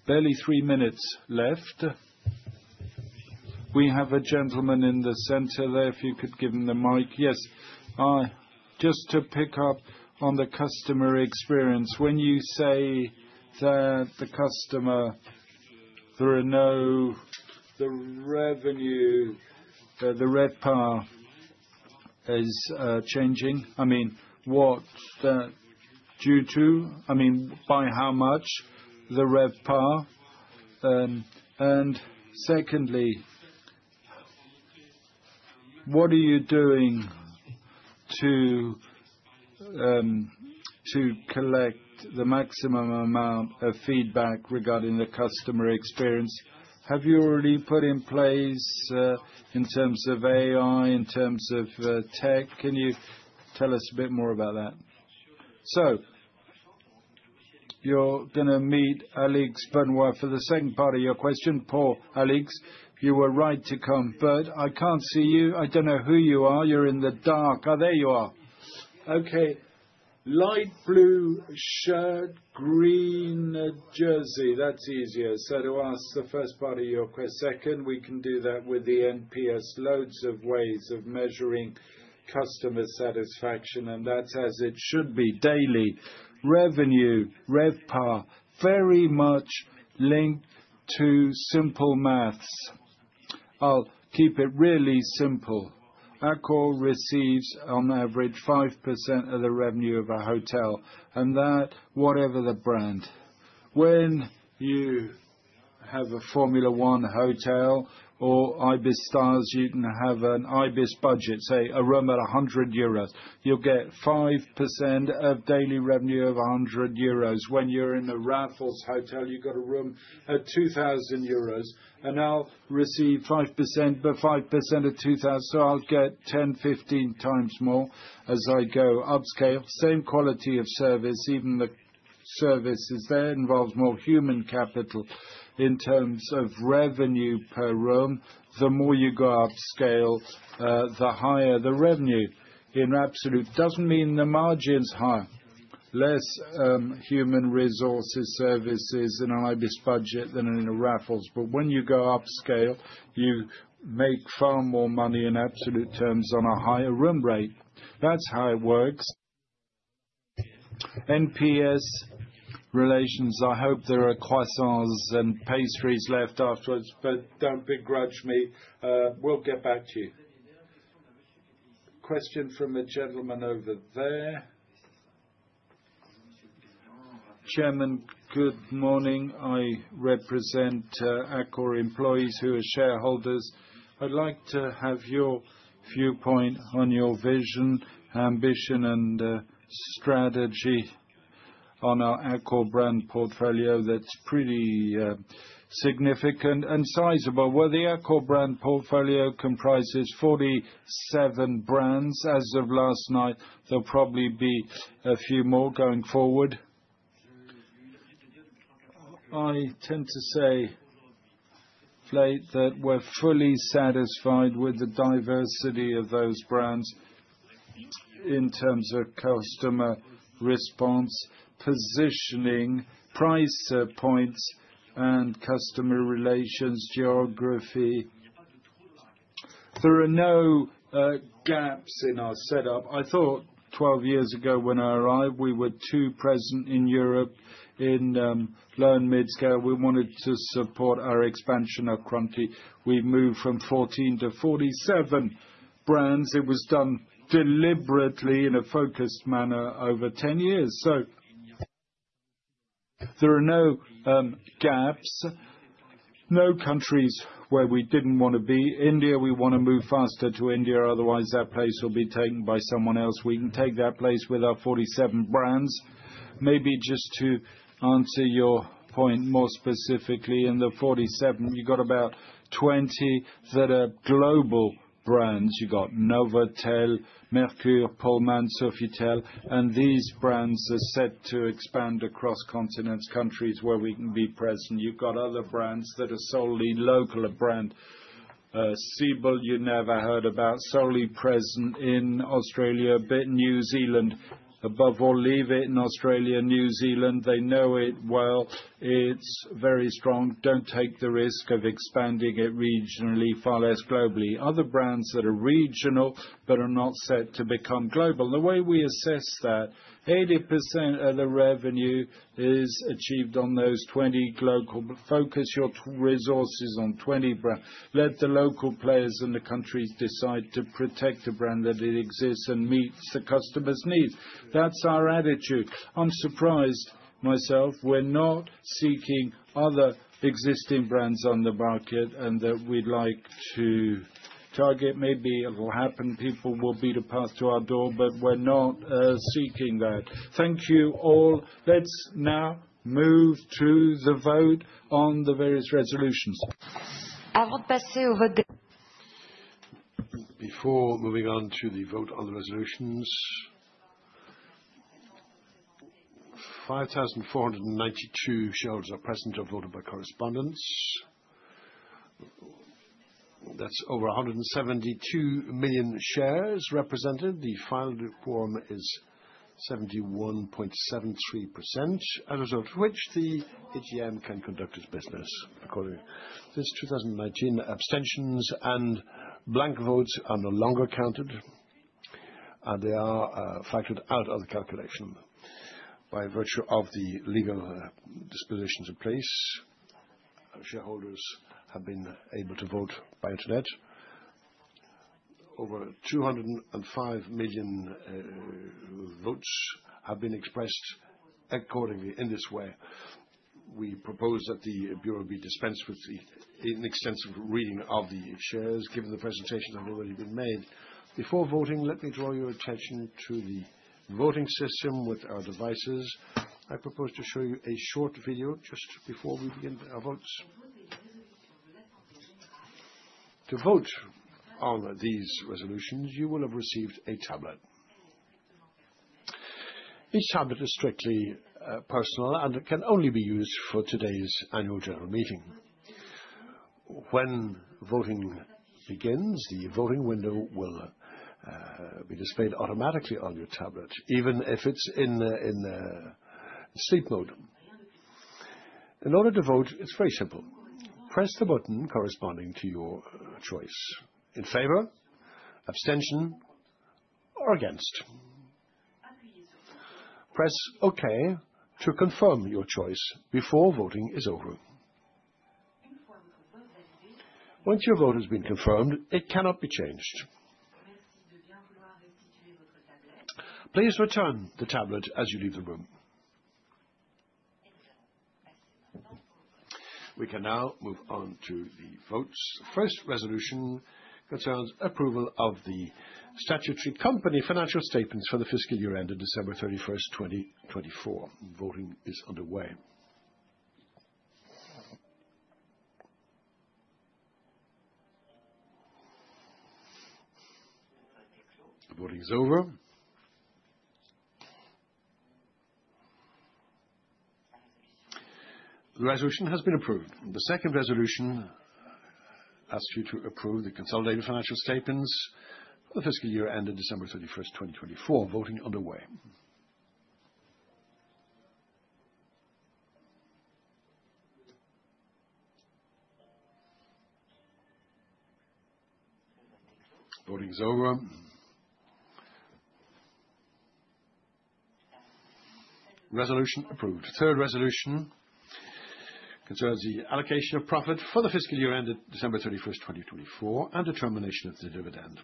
Barely three minutes left. We have a gentleman in the center there. If you could give him the mic. Yes. Just to pick up on the customer experience. When you say that the customer, there are no the revenue, the RevPAR is changing. I mean, what's that due to? I mean, by how much the RevPAR? And secondly, what are you doing to collect the maximum amount of feedback regarding the customer experience? Have you already put in place in terms of AI, in terms of tech? Can you tell us a bit more about that? You're going to meet Alix Boulnois for the second part of your question. Poor Alix. You were right to come, but I can't see you. I don't know who you are. You're in the dark. Oh, there you are. Okay. Light blue shirt, green jersey. That's easier. To ask the first part of your question, we can do that with the NPS, loads of ways of measuring customer satisfaction, and that's as it should be. Daily revenue, RevPAR, very much linked to simple maths. I'll keep it really simple. Accor receives on average 5% of the revenue of a hotel, and that, whatever the brand. When you have a Formula 1 hotel or Ibis Styles, you can have an Ibis budget, say, a room at 100 euros. You'll get 5% of daily revenue of 100 euros. When you're in a Raffles Hotel, you've got a room at 2,000 euros, and I'll receive 5%, but 5% at 2,000. I'll get 10-15 times more as I go upscale. Same quality of service, even the services there involve more human capital in terms of revenue per room. The more you go upscale, the higher the revenue in absolute. Doesn't mean the margin's higher. Less human resources services in an Ibis budget than in a Raffles. When you go upscale, you make far more money in absolute terms on a higher room rate. That's how it works. NPS relations. I hope there are croissants and pastries left afterwards, but don't begrudge me. We'll get back to you. Question from a gentleman over there. Chairman, good morning. I represent Accor employees who are shareholders. I'd like to have your viewpoint on your vision, ambition, and strategy on our Accor brand portfolio that's pretty significant and sizable. The Accor brand portfolio comprises 47 brands. As of last night, there'll probably be a few more going forward. I tend to say that we're fully satisfied with the diversity of those brands in terms of customer response, positioning, price points, and customer relations, geography. There are no gaps in our setup. I thought 12 years ago when I arrived, we were too present in Europe in low and mid-scale. We wanted to support our expansion of crunchy. We moved from 14 to 47 brands. It was done deliberately in a focused manner over 10 years. There are no gaps. No countries where we didn't want to be. India, we want to move faster to India. Otherwise, that place will be taken by someone else. We can take that place with our 47 brands. Maybe just to answer your point more specifically, in the 47, you've got about 20 that are global brands. You've got Novotel, Mercure, Pullman, Sofitel, and these brands are set to expand across continents, countries where we can be present. You've got other brands that are solely local. A brand, Sybil, you never heard about, solely present in Australia, but New Zealand. Above all, leave it in Australia. New Zealand, they know it well. It's very strong. Don't take the risk of expanding it regionally, far less globally. Other brands that are regional but are not set to become global. The way we assess that, 80% of the revenue is achieved on those 20 local. Focus your resources on 20 brands. Let the local players in the countries decide to protect a brand that exists and meets the customer's needs. That's our attitude. I'm surprised myself. We're not seeking other existing brands on the market and that we'd like to target. Maybe it'll happen. People will be to pass to our door, but we're not seeking that. Thank you all. Let's now move to the vote on the various resolutions. Avant de passer au vote des. Before moving on to the vote on the resolutions, 5,492 shares are present or voted by correspondence. That's over 172 million shares represented. The final quorum is 71.73%, as a result of which the AGM can conduct its business accordingly. Since 2019, abstentions and blank votes are no longer counted. They are factored out of the calculation by virtue of the legal dispositions in place. Shareholders have been able to vote by internet. Over 205 million votes have been expressed accordingly in this way. We propose that the Bureau be dispensed with an extensive reading of the shares, given the presentations that have already been made. Before voting, let me draw your attention to the voting system with our devices. I propose to show you a short video just before we begin our votes. To vote on these resolutions, you will have received a tablet. Each tablet is strictly personal and can only be used for today's annual general meeting. When voting begins, the voting window will be displayed automatically on your tablet, even if it's in sleep mode. In order to vote, it's very simple. Press the button corresponding to your choice: in favor, abstention, or against. Press okay to confirm your choice before voting is over. Once your vote has been confirmed, it cannot be changed. Please return the tablet as you leave the room. We can now move on to the votes. First resolution concerns approval of the statutory company financial statements for the fiscal year ended December 31, 2024. Voting is underway. Voting is over. The resolution has been approved. The second resolution asks you to approve the consolidated financial statements for the fiscal year ended December 31, 2024. Voting underway. Voting is over. Resolution approved. Third resolution concerns the allocation of profit for the fiscal year ended December 31, 2024, and determination of the dividend.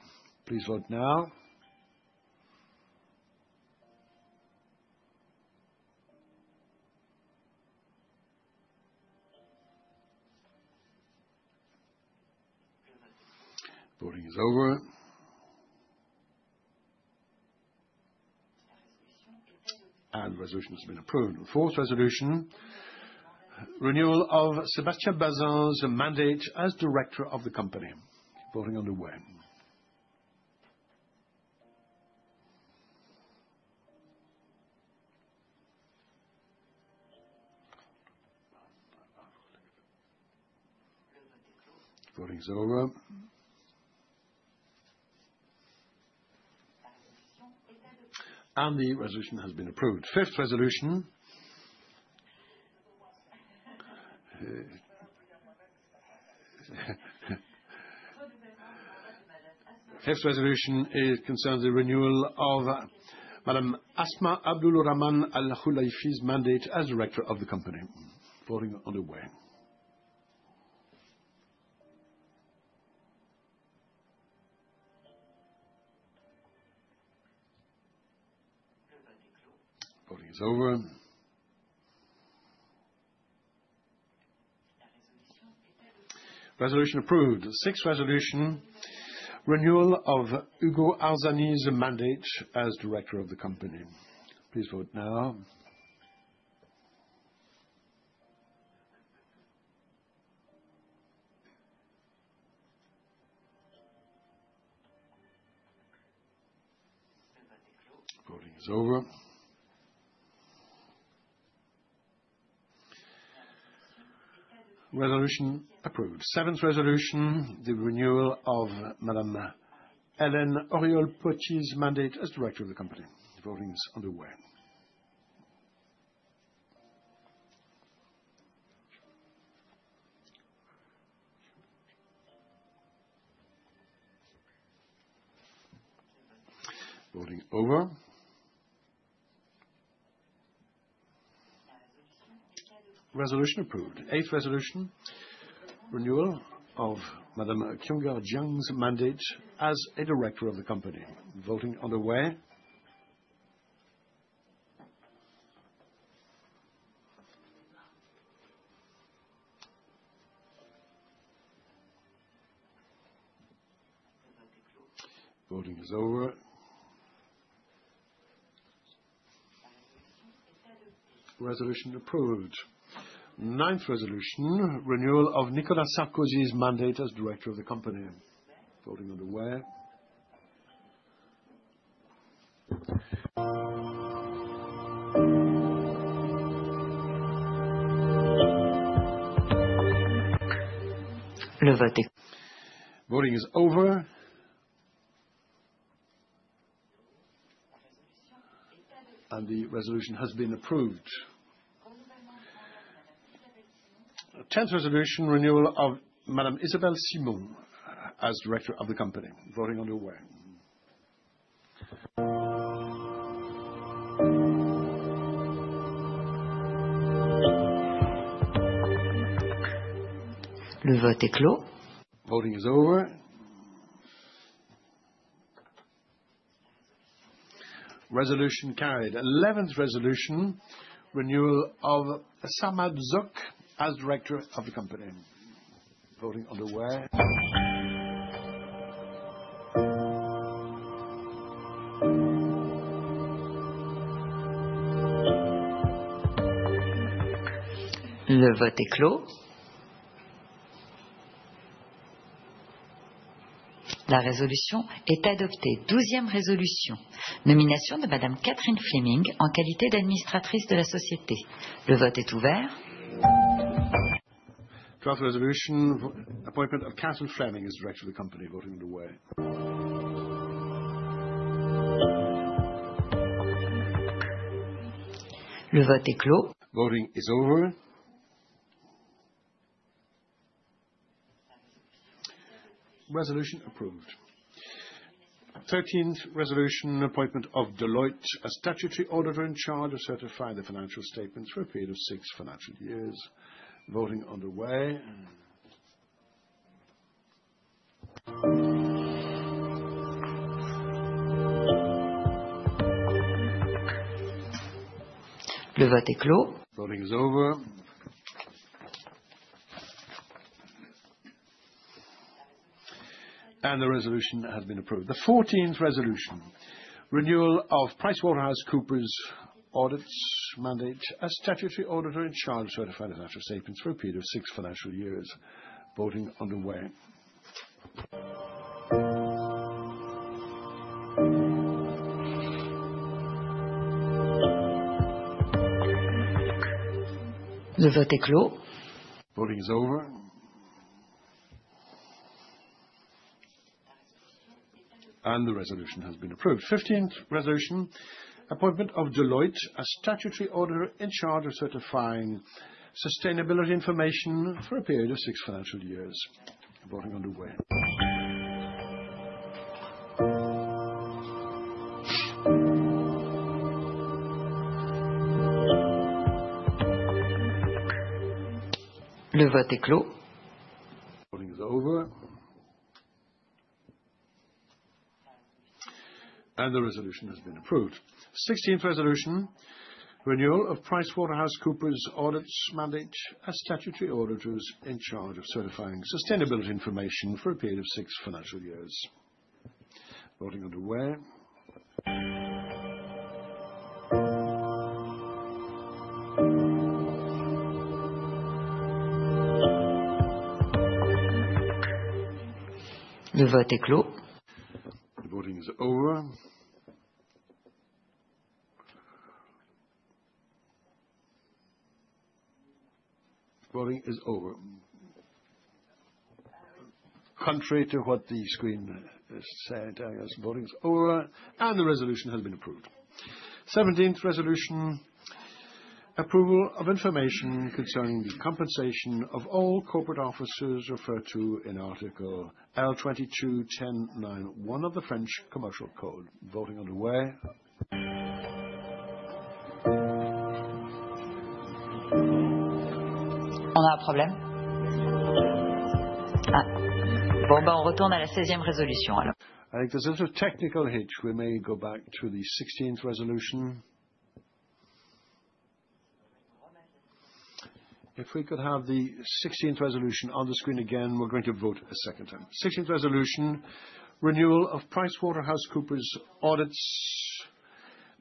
Please vote now. Voting is over. The resolution has been approved. Fourth resolution, renewal of Sébastien Bazin's mandate as director of the company. Voting underway. Voting is over. The resolution has been approved. Fifth resolution. Fifth resolution concerns the renewal of Madame Asma Abdulrahman Al-Khulaifi's mandate as director of the company. Voting underway. Voting is over. Resolution approved. Sixth resolution, renewal of Hugo Arzani's mandate as director of the company. Please vote now. Voting is over. Resolution approved. Seventh resolution, the renewal of Madame Hélène Auriol-Poitiers' mandate as director of the company. Voting is underway. Voting over. Resolution approved. Eighth resolution, renewal of Madame Kyung-Ah Jiang's mandate as a director of the company. Voting underway. Voting is over. Resolution approved. Ninth resolution, renewal of Nicolas Sarkozy's mandate as director of the company. Voting underway. Voting is over. The resolution has been approved. Tenth resolution, renewal of Madame Isabelle Simon as director of the company. Voting underway. Le vote est clos. Voting is over. Resolution carried. Eleventh resolution, renewal of Samad Zuck as director of the company. Voting underway. Le vote est clos. La résolution est adoptée. Douzième résolution, nomination de Madame Catherine Fleming en qualité d'administratrice de la société. Le vote est ouvert. Twelfth resolution, appointment of Catherine Fleming as director of the company. Voting underway. Le vote est clos. Voting is over. Resolution approved. Thirteenth resolution, appointment of Deloitte, a statutory auditor in charge of certifying the financial statements for a period of six financial years. Voting underway. Le vote est clos. Voting is over. The resolution has been approved. The fourteenth resolution, renewal of PricewaterhouseCoopers' audit mandate as statutory auditor in charge of certifying the financial statements for a period of six financial years. Voting underway. Le vote est clos. Voting is over. The resolution has been approved. Fifteenth resolution, appointment of Deloitte as statutory auditor in charge of certifying sustainability information for a period of six financial years. Voting underway. Le vote est clos. Voting is over. The resolution has been approved. Sixteenth resolution, renewal of PricewaterhouseCoopers' audit mandate as statutory auditors in charge of certifying sustainability information for a period of six financial years. Voting underway. Le vote est clos. Voting is over.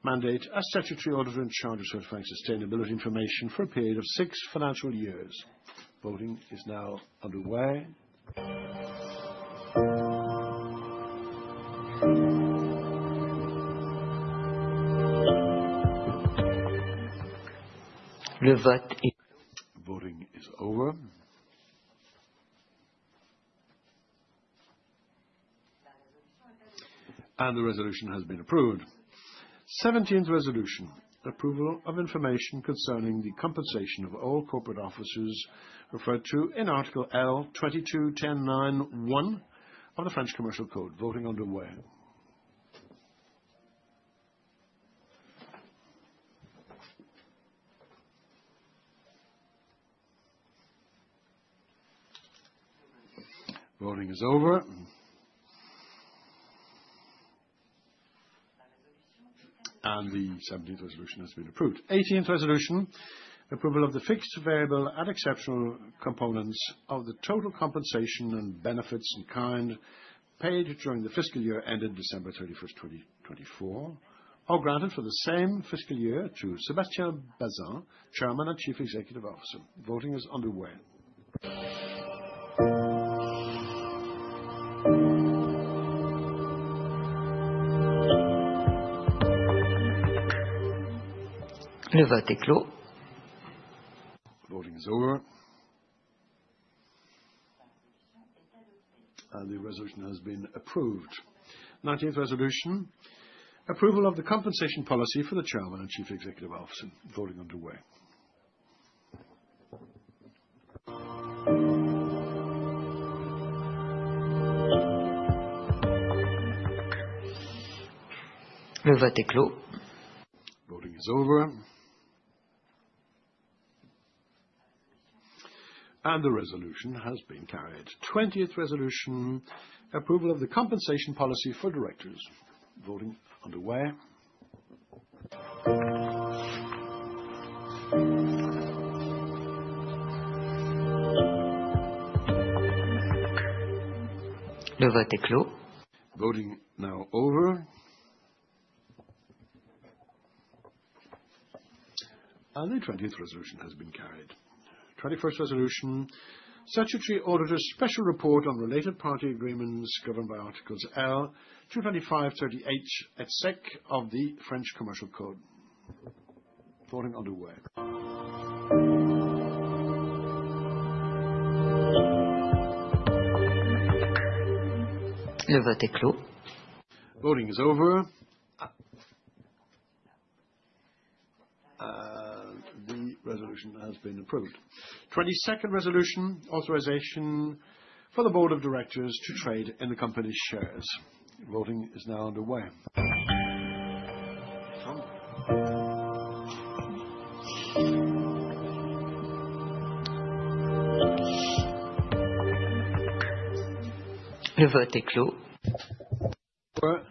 is over. The seventeenth resolution has been approved. Eighteenth resolution, approval of the fixed, variable, and exceptional components of the total compensation and benefits in kind paid during the fiscal year ended December 31, 2024, or granted for the same fiscal year to Sébastien Bazin, Chairman and Chief Executive Officer. Voting is underway. Le vote est clos. Voting is over. The resolution has been approved. Nineteenth resolution, approval of the compensation policy for the Chairman and Chief Executive Officer. Voting underway. Le vote est clos. Voting is over. The resolution has been carried. Twentieth resolution, approval of the compensation policy for directors. Voting underway. Le vote est clos. Voting now over. And the twentieth resolution has been carried. Twenty-first resolution, statutory auditor special report on related party agreements governed by Articles L225-38 et sec of the French Commercial Code. Voting underway. Le vote est clos. Voting is over. The resolution has been approved. Twenty-second resolution, authorization for the board of directors to trade in the company's shares. Voting is now underway. Le vote est clos. Over.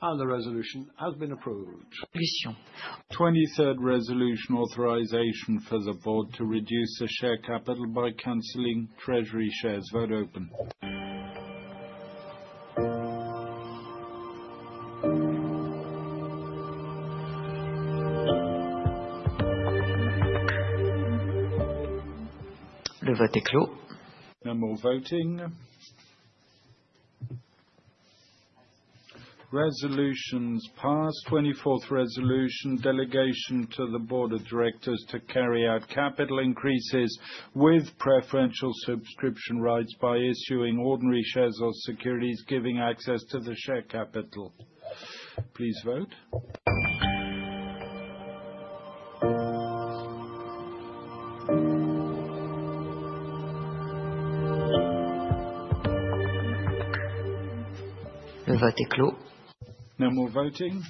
And the resolution has been approved. Twenty-third resolution, authorization for the board to reduce the share capital by cancelling treasury shares. Vote open. Le vote est clos. No more voting. Resolutions passed. Twenty-fourth resolution, delegation to the board of directors to carry out capital increases with preferential subscription rights by issuing ordinary shares or securities giving access to the share capital. Please vote. Le vote est clos. No more voting.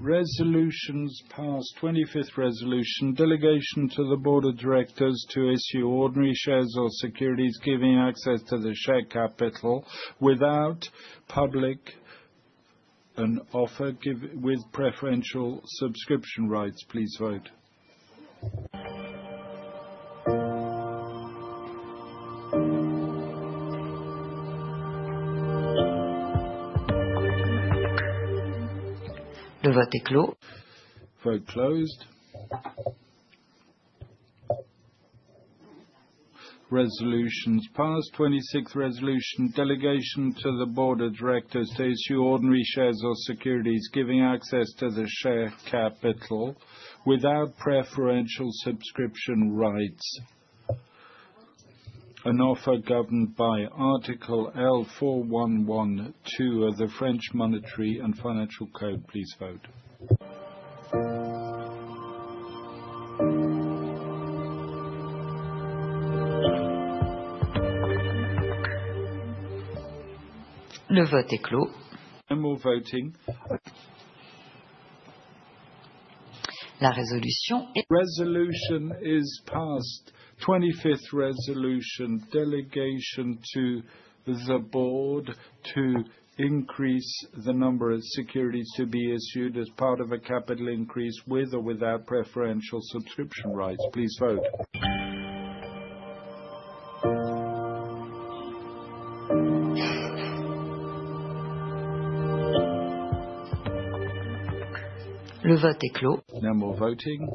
Resolutions passed. Twenty-fifth resolution, delegation to the board of directors to issue ordinary shares or securities giving access to the share capital without public an offer with preferential subscription rights. Please vote. Le vote est clos. Vote closed. Resolutions passed. Twenty-sixth resolution, delegation to the board of directors to issue ordinary shares or securities giving access to the share capital without preferential subscription rights. An offer governed by Article L411-2 of the French Monetary and Financial Code. Please vote. Le vote est clos. No more voting. La résolution est. Resolution is passed. Twenty-fifth resolution, delegation to the board to increase the number of securities to be issued as part of a capital increase with or without preferential subscription rights. Please vote. Le vote est clos. No more voting.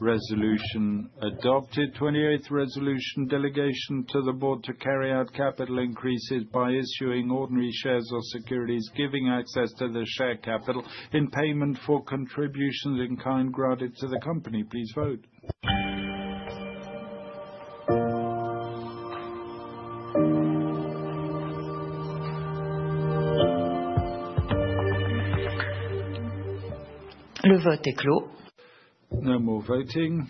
Resolution adopted. Twenty-eighth resolution, delegation to the board to carry out capital increases by issuing ordinary shares or securities giving access to the share capital in payment for contributions in kind granted to the company. Please vote. Le vote est clos. No more voting.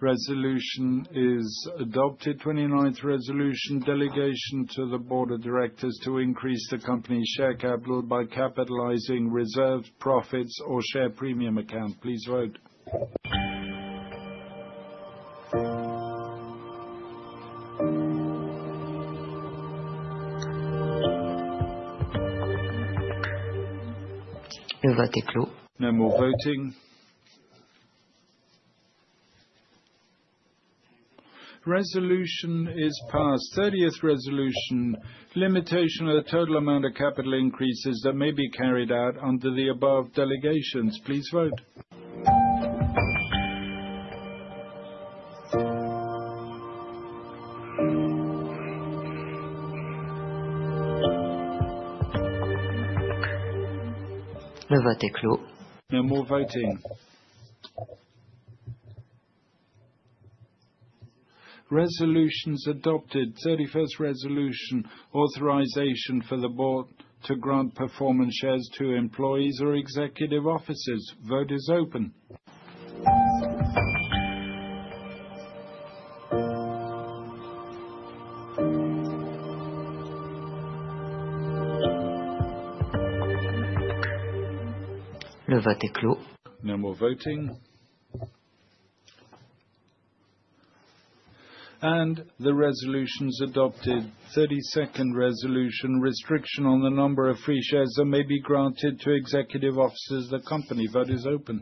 Resolution is adopted. Twenty-ninth resolution, delegation to the board of directors to increase the company's share capital by capitalizing reserved profits or share premium account. Please vote. Le vote est clos. No more voting. Resolution is passed. Thirtieth resolution, limitation of the total amount of capital increases that may be carried out under the above delegations. Please vote. Le vote est clos. No more voting. Resolutions adopted. Thirty-first resolution, authorization for the board to grant performance shares to employees or executive officers. Vote is open. Le vote est clos. No more voting. The resolution is adopted. Thirty-second resolution, restriction on the number of free shares that may be granted to executive officers of the company. Vote is open.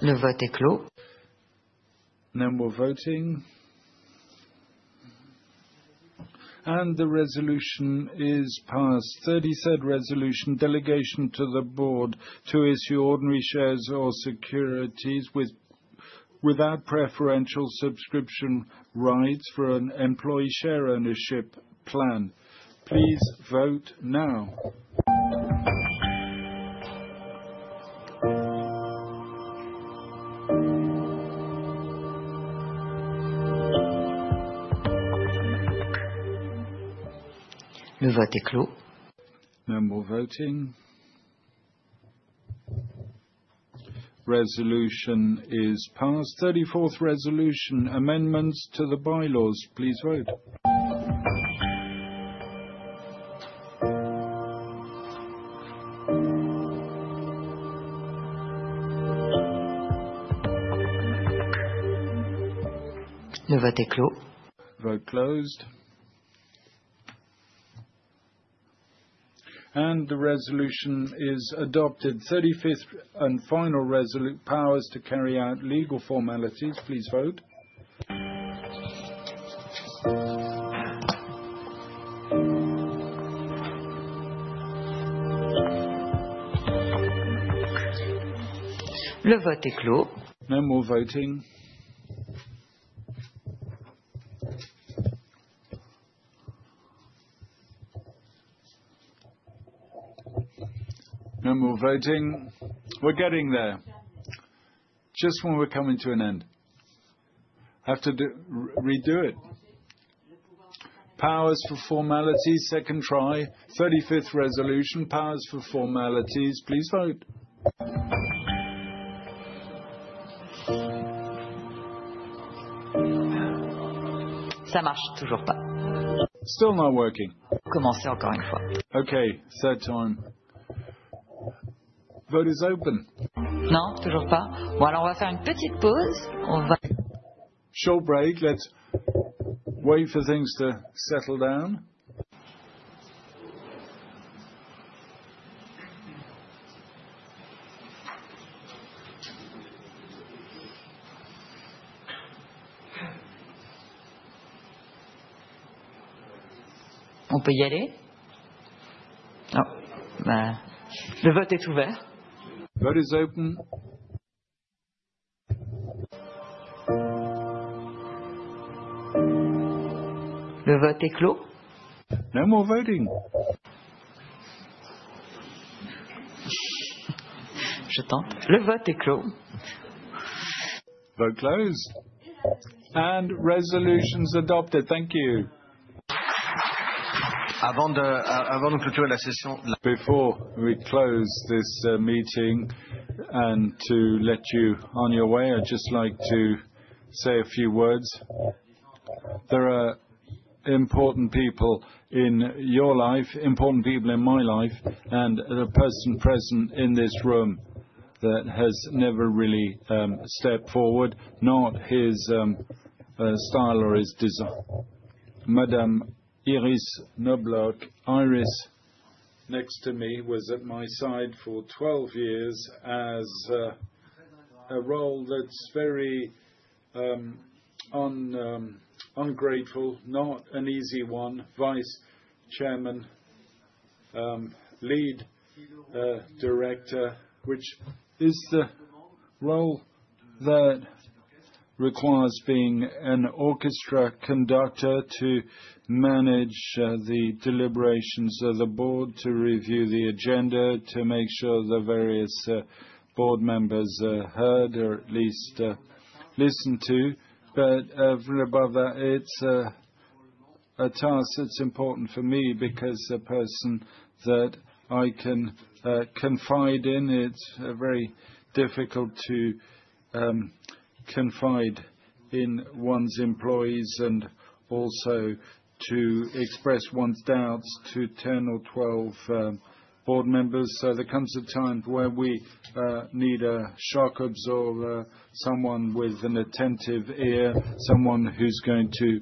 Le vote est clos. No more voting. The resolution is passed. Thirty-third resolution, delegation to the board to issue ordinary shares or securities without preferential subscription rights for an employee share ownership plan. Please vote now. Le vote est clos. No more voting. Resolution is passed. Thirty-fourth resolution, amendments to the bylaws. Please vote. Le vote est clos. Vote closed. The resolution is adopted. Thirty-fifth and final resolution, powers to carry out legal formalities. Please vote. Le vote est clos. No more voting. We're getting there. Just when we're coming to an end, I have to redo it. Powers for formalities, second try. Thirty-fifth resolution, powers for formalities. Please vote. Ça ne marche toujours pas. Still not working. Commencez encore une fois. Okay, third time. Vote is open. Non, toujours pas. Bon, alors on va faire une petite pause. On va. Short break, let's wait for things to settle down. On peut y aller? Non, ben... Le vote est ouvert. Vote is open. Le vote est clos. No more voting. Je tente. Le vote est clos. Vote closed. Resolutions adopted. Thank you. Avant de clôturer la session. Before we close this meeting and to let you on your way, I'd just like to say a few words. There are important people in your life, important people in my life, and a person present in this room that has never really stepped forward, not his style or his design. Madame Iris Knobloch, Iris. Next to me, was at my side for 12 years as a role that's very ungrateful, not an easy one. Vice Chairman, Lead Director, which is the role that requires being an orchestra conductor to manage the deliberations of the board, to review the agenda, to make sure the various board members are heard or at least listened to. Above that, it's a task that's important for me because the person that I can confide in, it's very difficult to confide in one's employees and also to express one's doubts to 10 or 12 board members. There comes a time where we need a shock absorber, someone with an attentive ear, someone who's going to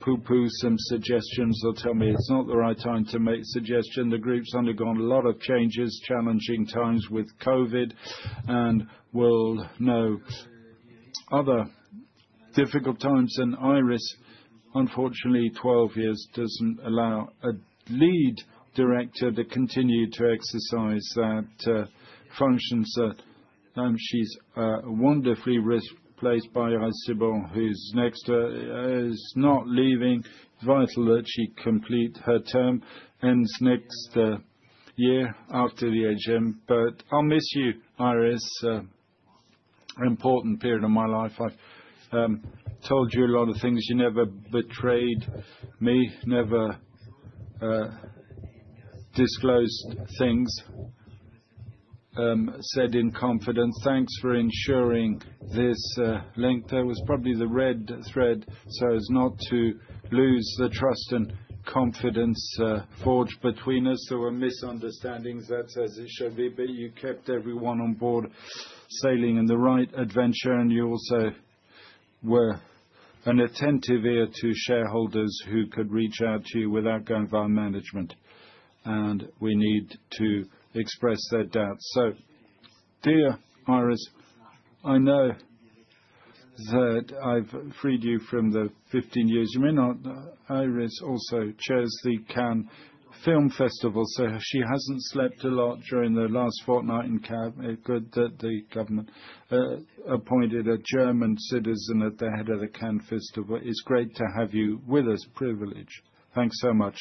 pooh-pooh some suggestions or tell me it's not the right time to make suggestions. The group's undergone a lot of changes, challenging times with COVID, and will know other difficult times. Iris, unfortunately, 12 years doesn't allow a Lead Director to continue to exercise that function. She's wonderfully replaced by Cybel, who's next. She's not leaving. It's vital that she complete her term, which ends next year after the AGM. I'll miss you, Iris. Important period of my life. I've told you a lot of things. You never betrayed me, never disclosed things said in confidence. Thanks for ensuring this link. There was probably the red thread, so as not to lose the trust and confidence forged between us. There were misunderstandings, that's as it should be. You kept everyone on board sailing in the right adventure, and you also were an attentive ear to shareholders who could reach out to you without going via management. We need to express their doubts. Dear Iris, I know that I've freed you from the 15 years. You may not know, Iris also chairs the Cannes Film Festival, so she hasn't slept a lot during the last fortnight in Cannes. It's good that the government appointed a German citizen at the head of the Cannes Festival. It's great to have you with us. Privilege. Thanks so much.